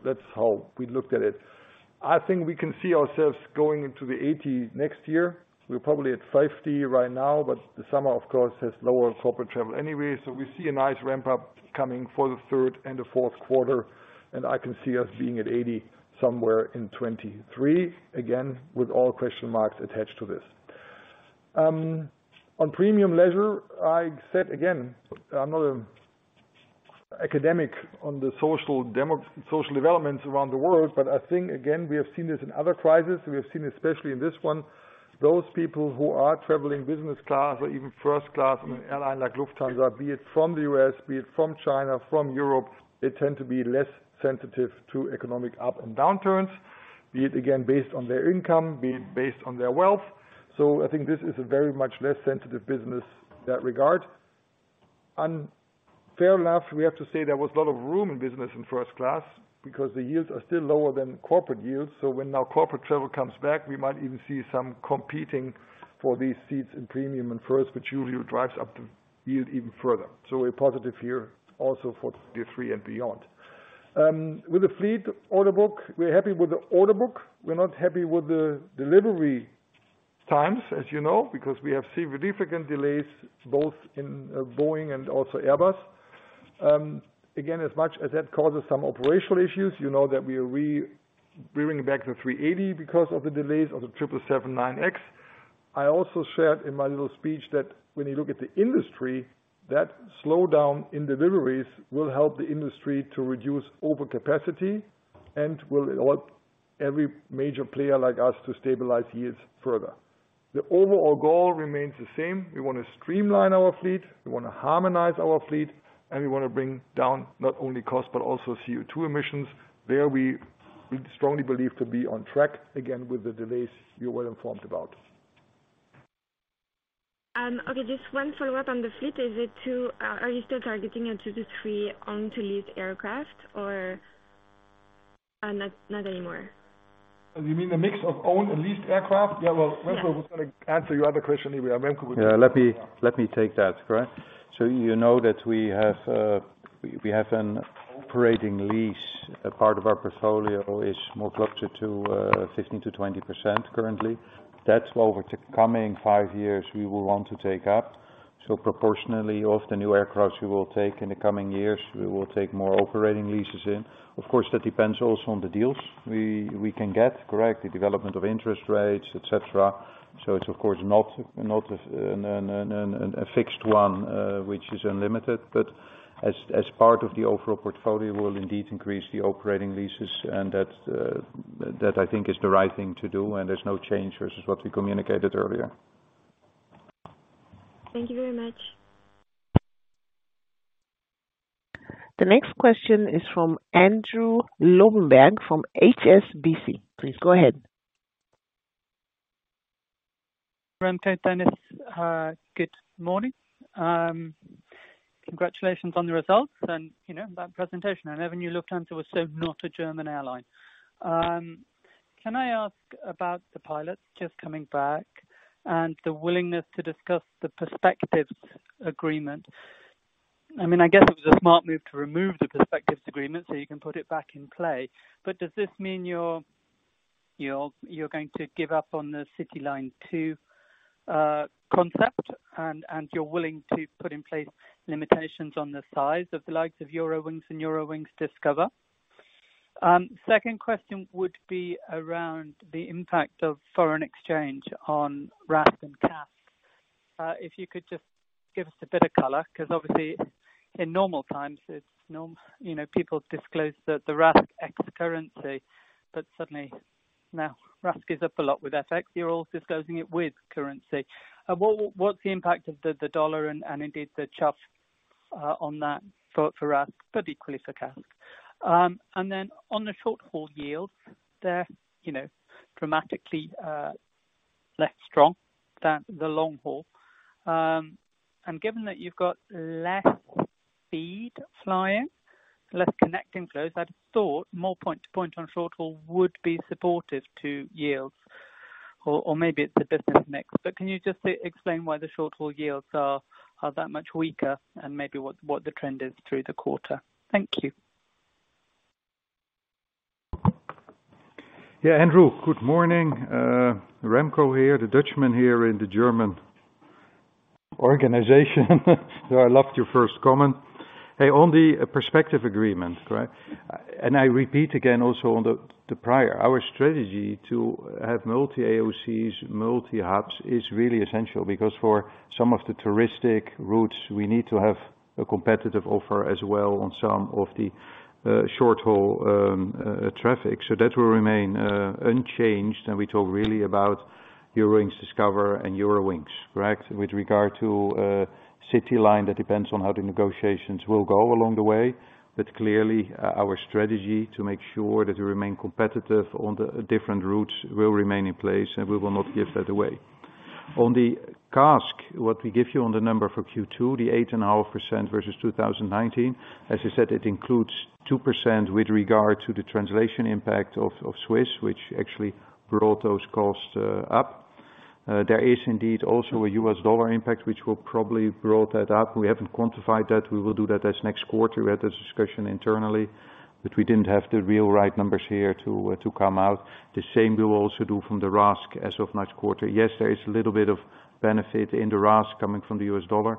Speaker 3: That's how we looked at it. I think we can see ourselves going into the 80% next year. We're probably at 50% right now, but the summer, of course, has lower corporate-travel anyway. We see a nice ramp-up coming for the third and the Q4, and I can see us being at 80 somewhere in 2023. Again, with all question marks attached to this. On premium leisure, I said again, I'm not an academic on the social developments around the world, but I think again, we have seen this in other crises. We have seen, especially in this one, those people who are traveling business class or even first class on an airline like Lufthansa, be it from the U.S., be it from China, from Europe, they tend to be less sensitive to economic up and downturns. Be it again, based on their income, be it based on their wealth. I think this is a very much less sensitive business in that regard. Fair enough, we have to say there was a lot of room in business in first class because the yields are still lower than corporate yields. When now corporate-travel comes back, we might even see some competing for these seats in premium and first, which usually drives up the yield even further. A positive here also for 2023 and beyond. With the fleet order book, we're happy with the order book. We're not happy with the delivery times, as you know, because we have seen very significant delays both in Boeing and also Airbus. Again, as much as that causes some operational issues, you know that we are re-bringing back the three-eighty because of the delays of the triple seven nine-X. I also shared in my little speech that when you look at the industry, that slowdown in deliveries will help the industry to reduce overcapacity and will allow every major player like us to stabilize yields further. The overall goal remains the same. We wanna streamline our fleet, we wanna harmonize our fleet, and we wanna bring down not only cost, but also CO2 emissions. There we strongly believe to be on track again with the delays you're well-informed about.
Speaker 11: Okay, just one follow-up on the fleet. Are you still targeting a 2 to 3 own to lease aircraft or not anymore?
Speaker 3: You mean the mix of owned and leased aircraft? Yeah, well, first of all, we're gonna answer your other question here. Remco will-
Speaker 4: Yeah, let me take that. Correct. You know that we have an operating lease. A part of our portfolio is more closer to 15%-20% currently. That's over the coming 5 years we will want to take up. Proportionally, of the new aircraft we will take in the coming-years, we will take more operating leases in. Of course, that depends also on the deals we can get. Correct. The development of interest rates, et cetera. It's of course not a fixed one, which is unlimited. As part of the overall portfolio, we'll indeed increase the operating leases, and that I think is the right thing to do, and there's no change versus what we communicated earlier.
Speaker 11: Thank you very much.
Speaker 1: The next question is from Andrew Lobbenberg from HSBC. Please go ahead.
Speaker 12: Remco, Dennis, good morning. Congratulations on the results and that presentation. Even you looked so not a German airline. Can I ask about the pilots just coming back and the willingness to discuss the perspectives agreement? I mean, I guess it was a smart move to remove the perspectives agreement so you can put it back in play. Does this mean you're going to give up on the CityLine 2 concept and you're willing to put in place limitations on the size of the likes of Eurowings and Discover Airlines? Second question would be around the impact of foreign exchange on RASK and CASK. If you could just give us a bit of color, 'cause obviously in normal times, you know, people disclose the RASK ex-currency, but suddenly now RASK is up a lot with FX, you're all disclosing it with currency. What's the impact of the dollar and indeed the CHF on that for RASK, but equally for CASK. Then on the short-haul yields, they're you know, dramatically less strong than the long-haul. Given that you've got less speed flying, less connecting flows, I'd thought more point to point on short-haul would be supportive to yields or maybe it's the business mix. Can you just explain why the short-haul yields are that much weaker and maybe what the trend is through the quarter? Thank you.
Speaker 4: Yeah, Andrew, good morning. Remco here, the Dutchman here in the German organization. I loved your first comment. Hey, on the Paris Agreement, right? I repeat again also on the Paris, our strategy to have multi-AOCs, multi-hubs is really essential because for some of the touristic routes, we need to have a competitive offer as well on some of the short-haul traffic. That will remain unchanged. We talk really about Discover Airlines and Eurowings, correct? With regard to CityLine, that depends on how the negotiations will go along the way, but clearly our strategy to make sure that we remain competitive on the different routes will remain in place, and we will not give that away. On the CASK, what we give you on the number for Q2, the 8.5% versus 2019, as you said, it includes 2% with regard to the translation impact of Swiss, which actually brought those costs up. There is indeed also a US dollar impact, which will probably brought that up. We haven't quantified that. We will do that as next quarter. We had this discussion internally, but we didn't have the real right numbers here to come out. The same we'll also do from the RASK as of next quarter. Yes, there is a little bit of benefit in the RASK coming from the US dollar,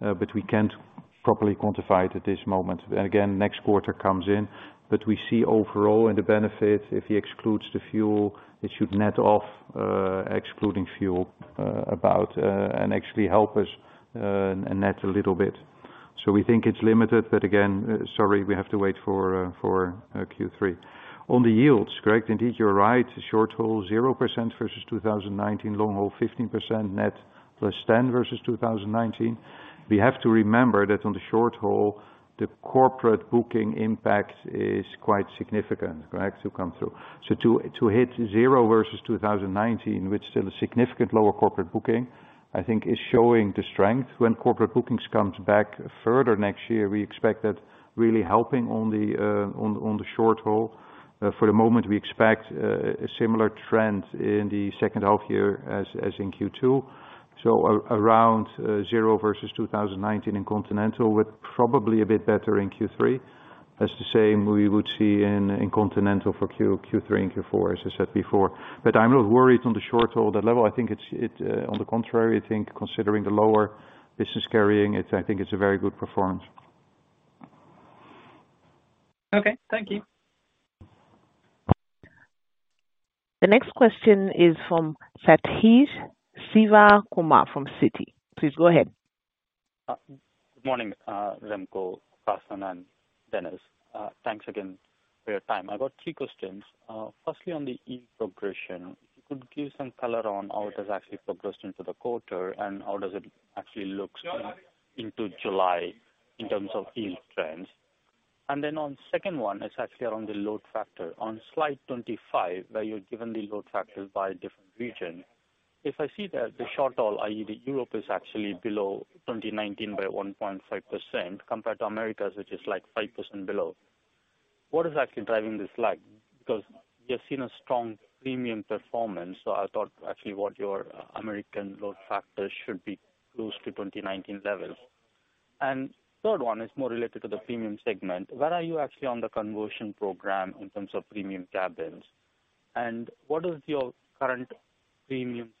Speaker 4: but we can't properly quantify it at this moment. Again, next quarter comes in, but we see overall in the benefit, if he excludes the fuel, it should net off, excluding fuel, about, and actually help us, net a little bit. We think it's limited, but again, sorry, we have to wait for Q3. On the yields. Correct. Indeed, you're right. Short-haul, 0% versus 2019. Long-haul, 15% net +10% versus 2019. We have to remember that on the short-haul, the corporate booking impact is quite significant, correct, to come through. To hit zero versus 2019, with still a significant lower corporate booking, I think is showing the strength. When corporate bookings comes back further next year, we expect that really helping on the short-haul. For the moment, we expect a similar trend in the second half-year as in Q2. Around zero versus 2019 in continental, with probably a bit better in Q3. The same we would see in continental for Q3 and Q4, as I said before. I'm not worried on the short-haul, that level. I think it's on the contrary. I think considering the lower business carrying, it's a very good performance.
Speaker 12: Okay. Thank you.
Speaker 1: The next question is from Sathish Sivakumar from Citi. Please go ahead.
Speaker 13: Good morning, Remco, Carsten, and Dennis. Thanks again for your time. I've got three questions. Firstly, on the yield progression, could you give some color on how it has actually progressed into the quarter and how does it actually looks into July in terms of yield trends? The second one is actually on the load factor. On slide 25, where you're given the load factor by different region. If I see that the short-haul, i.e., the Europe is actually below 2019 by 1.5% compared to Americas, which is like 5% below. What is actually driving this lag? Because we have seen a strong premium performance, so I thought actually what your American load factors should be close to 2019 levels. The third one is more related to the premium segment. Where are you actually on the conversion program in terms of premium cabins? What is your current premium fleet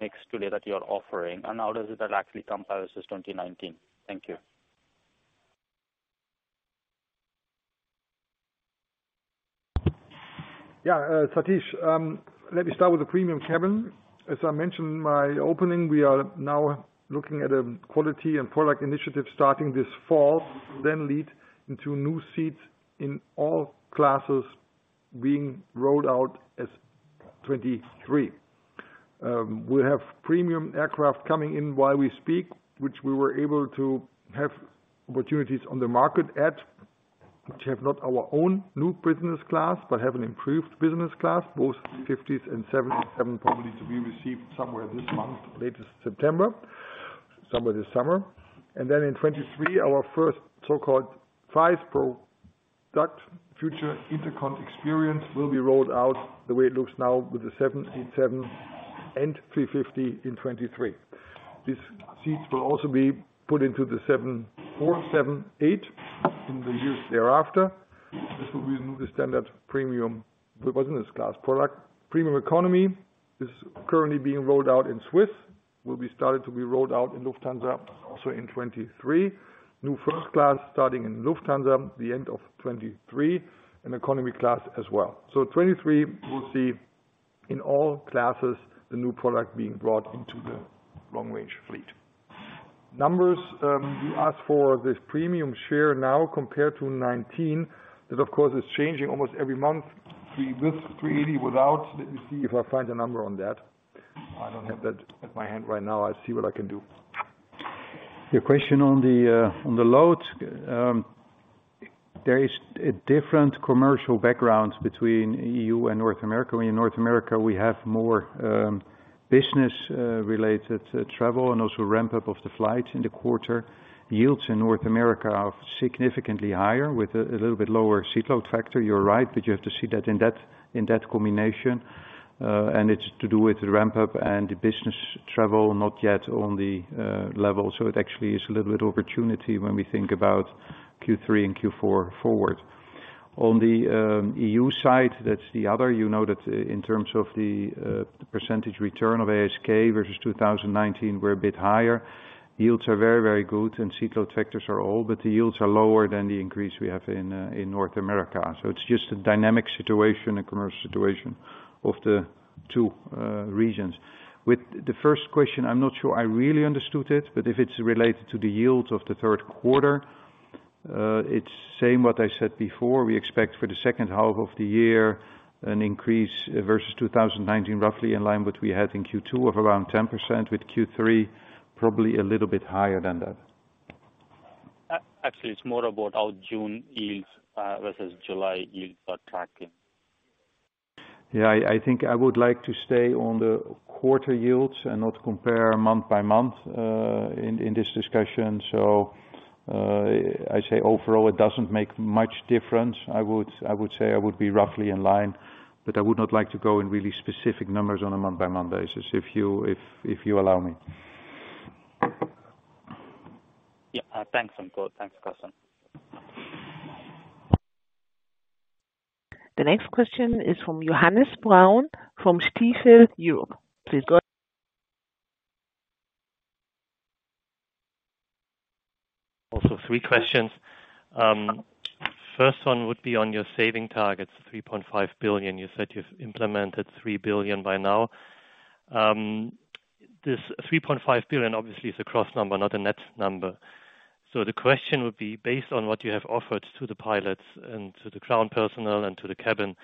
Speaker 13: mix today that you're offering, and how does it actually compare versus 2019? Thank you.
Speaker 3: Sathish, let me start with the premium cabin. As I mentioned in my opening, we are now looking at a quality and product initiative starting this fall, then lead into new seats in all classes being rolled out in 2023. We have premium aircraft coming in while we speak, which we were able to have opportunities on the market that, which do not have our own new business class, but have an improved business class, both A350s and 777s probably to be received somewhere this month, latest September, somewhere this summer. In 2023, our first so-called Allegris product future in-cabin experience will be rolled out the way it looks now with the 787 and A350 in 2023. These seats will also be put into the 747-8 in the years thereafter. This will be the standard premium business class product. Premium economy is currently being rolled out in Swiss, will be started to be rolled out in Lufthansa also in 2023. New first class starting in Lufthansa the end of 2023, and economy class as well. 2023, we'll see in all classes the new product being brought into the long-range fleet. Numbers, you asked for this premium share now compared to 2019. That, of course, is changing almost every month. The with A380 without. Let me see if I find a number on that. I don't have that at my hand right now. I'll see what I can do.
Speaker 4: Your question on the load. There is a different commercial background between EU and North America. In North America, we have more business-related travel and also ramp up of the flights in the quarter. Yields in North America are significantly higher with a little bit lower-seat-load factor. You're right, but you have to see that in that combination, and it's to do with the ramp up and the business travel not yet on the level. It actually is a little bit opportunity when we think about Q3 and Q4 forward. On the EU side, that's the other. You know that in terms of the percentage return of ASK versus 2019, we're a bit higher. Yields are very, very good, and seat load factors are also, but the yields are lower than the increase we have in North America. It's just a dynamic situation and commercial situation of the two regions. With the first question, I'm not sure I really understood it, but if it's related to the yields of the Q3, it's the same what I said before. We expect for the second half of the year an increase versus 2019, roughly in line with what we had in Q2 of around 10%, with Q3 probably a little bit higher than that.
Speaker 13: Actually, it's more about our June yields versus July yields are tracking.
Speaker 4: Yeah, I think I would like to stay on the quarter yields and not compare month-by-month in this discussion. I say overall, it doesn't make much difference. I would say I would be roughly in line, but I would not like to go in really specific numbers on a month-by-month basis if you allow me.
Speaker 13: Yeah. Thanks. Thanks, Carsten.
Speaker 1: The next question is from Johannes Braun from Stifel Europe. Please go ahead.
Speaker 14: Also three questions. First one would be on your saving targets, 3.5 billion. You said you've implemented 3 billion by now. This 3.5 billion obviously is a gross number, not a net number. The question would be, based on what you have offered to the pilots and to the ground personnel and to the cabin,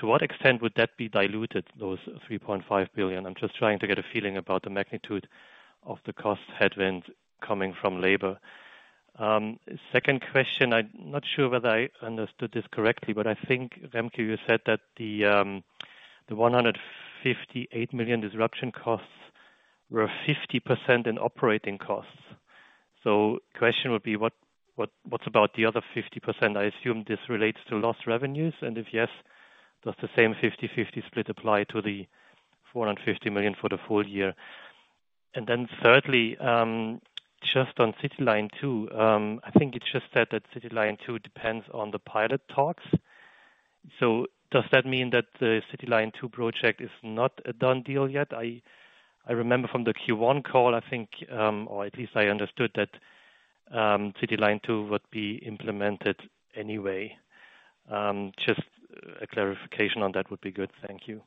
Speaker 14: to what extent would that be diluted, those 3.5 billion? I'm just trying to get a feeling about the magnitude of the cost headwinds coming from labor. Second question, I'm not sure whether I understood this correctly, but I think, Remco, you said that the 158 million disruption costs were 50% in operating costs. Question would be what's about the other 50%? I assume this relates to lost revenues, and if yes, does the same 50/50 split apply to the 450 million for the full year? Then thirdly, just on CityLine 2, I think it just said that CityLine 2 depends on the pilot talks. So does that mean that the CityLine 2 project is not a done deal yet? I remember from the Q1 call, I think, or at least I understood that CityLine 2 would be implemented anyway. Just a clarification on that would be good. Thank you.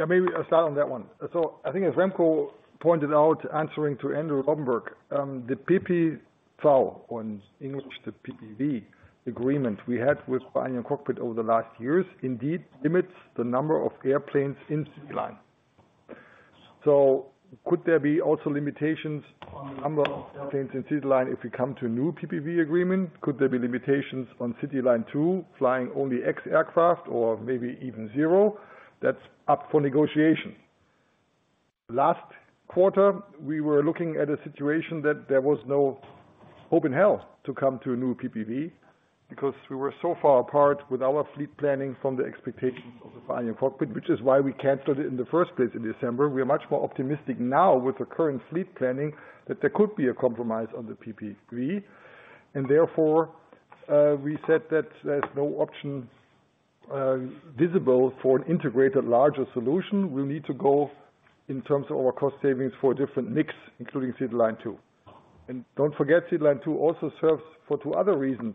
Speaker 3: Yeah, maybe I'll start on that one. I think as Remco pointed out, answering to Andrew Lobbenberg, the PPV, or in English, the PPV agreement we had with Vereinigung Cockpit over the last years indeed limits the number of airplanes in CityLine. Could there be also limitations on the number of CityLine if we come to a new PPV agreement? Could there be limitations on CityLine too flying only X aircraft or maybe even zero? That's up for negotiation. Last quarter, we were looking at a situation that there was no opening to come to a new PPV because we were so far apart with our fleet planning from the expectations of Vereinigung Cockpit, which is why we canceled it in the first place in December. We are much more optimistic now with the current fleet planning that there could be a compromise on the PPV. We said that there's no option visible for an integrated larger solution. We need to go in terms of our cost savings for a different mix, including City Line two. City Line two also serves for two other reasons,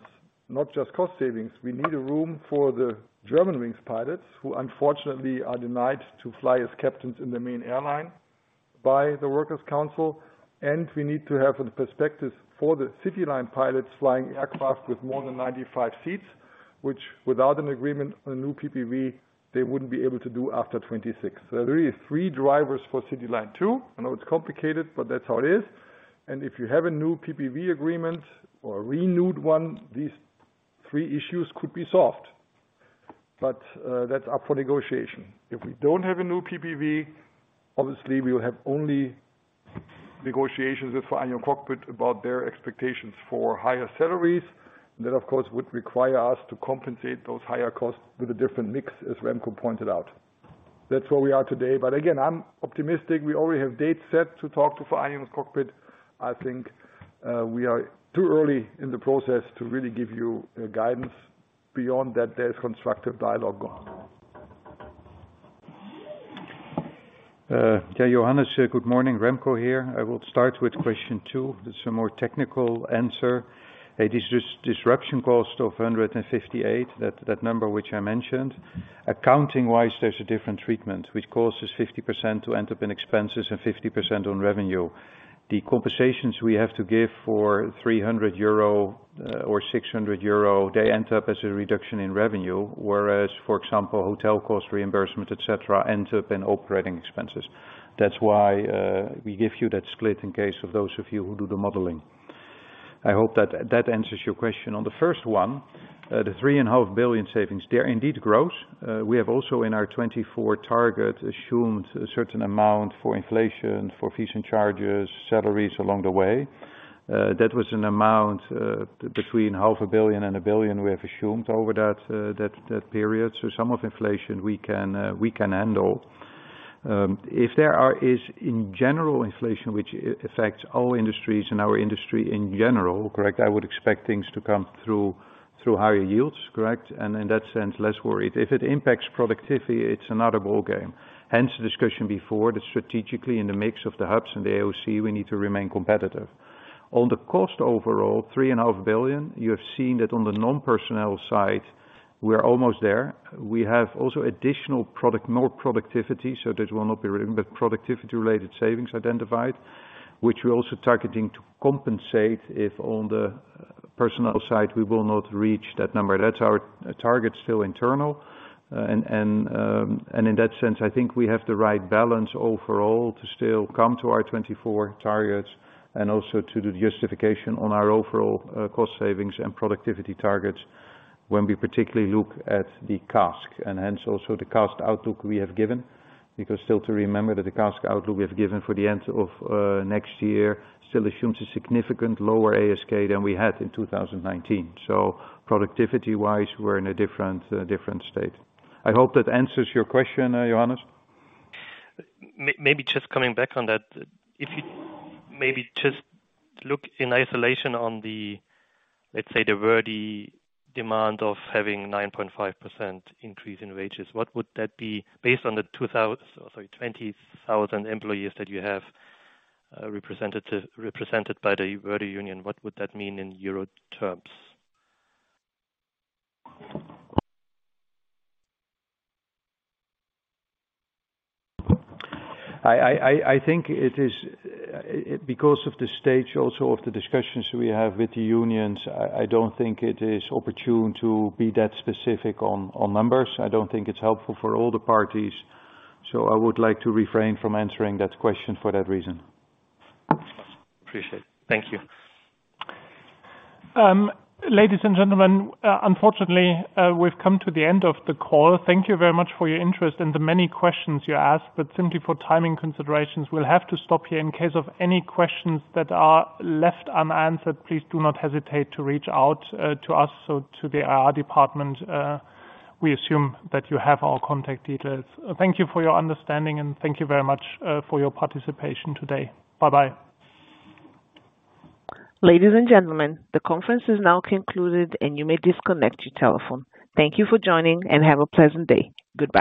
Speaker 3: not just cost savings. We need a room for the Germanwings pilots who unfortunately are denied to fly as captains in the main airline by the works council. We need to have a perspective for the City Line pilots flying aircraft with more than 95 seats, which without an agreement on a new PPV, they wouldn't be able to do after 2026. There are really three drivers for City Line two. I know it's complicated, but that's how it is. If you have a new PPV agreement or a renewed one, these three issues could be solved. That's up for negotiation. If we don't have a new PPV, obviously we'll have only negotiations with Vereinigung Cockpit about their expectations for higher-salaries. That, of course, would require us to compensate those higher-costs with a different mix, as Remco pointed out. That's where we are today. Again, I'm optimistic. We already have dates set to talk to Vereinigung Cockpit. I think, we are too early in the process to really give you, guidance. Beyond that, there's constructive dialogue going on.
Speaker 4: Johannes Braun, good morning. Remco Steenbergen here. I will start with question two. It's a more technical answer. A disruption cost of 158, that number which I mentioned. Accounting-wise, there's a different treatment, which causes 50% to end up in expenses and 50% on revenue. The compensations we have to give for 300 euro or 600 euro, they end up as a reduction in revenue, whereas, for example, hotel cost reimbursement, et cetera, ends up in operating expenses. That's why we give you that split in case of those of you who do the modeling. I hope that that answers your question. On the first one, the 3.5 billion savings, they're indeed gross. We have also in our 2024 target assumed a certain amount for inflation, for fees and charges, salaries along the way. That was an amount between half a billion EUR and 1 billion we have assumed over that period. Some of inflation we can handle. If there is in general inflation which affects all industries in our industry in general, correct, I would expect things to come through higher-yields, correct? In that sense, less worried. If it impacts productivity, it's another ballgame. Hence the discussion before that strategically in the mix of the hubs and the AOC, we need to remain competitive. On the cost overall, 3.5 billion, you have seen that on the non-personnel side, we are almost there. We have also additional product, more productivity, so that will not be written, but productivity-related savings identified, which we're also targeting to compensate if on the personnel side we will not reach that number. That's our target, still internal. In that sense, I think we have the right balance overall to still come to our 2024 targets and also to the justification on our overall cost savings and productivity targets when we particularly look at the CASK. Hence also the CASK outlook we have given, because still to remember that the CASK outlook we have given for the end of next year still assumes a significant lower ASK than we had in 2019. Productivity-wise, we're in a different state. I hope that answers your question, Johannes.
Speaker 14: Maybe just coming back on that. If you maybe just look in isolation on the, let's say, the ver.di demand of having 9.5% increase in wages, what would that be based on the 20,000 employees that you have, represented by the ver.di Union, what would that mean in euro terms?
Speaker 4: I think it is because of the stage also of the discussions we have with the unions. I don't think it is opportune to be that specific on numbers. I don't think it's helpful for all the parties. I would like to refrain from answering that question for that reason.
Speaker 14: Appreciate it. Thank you.
Speaker 4: Ladies and gentlemen, unfortunately, we've come to the end of the call. Thank you very much for your interest and the many questions you asked, but simply for timing considerations, we'll have to stop here. In case of any questions that are left unanswered, please do not hesitate to reach out to us or to the IR department. We assume that you have our contact details. Thank you for your understanding, and thank you very much for your participation today. Bye-bye.
Speaker 1: Ladies and gentlemen, the conference is now concluded, and you may disconnect your telephone. Thank you for joining, and have a pleasant day. Goodbye.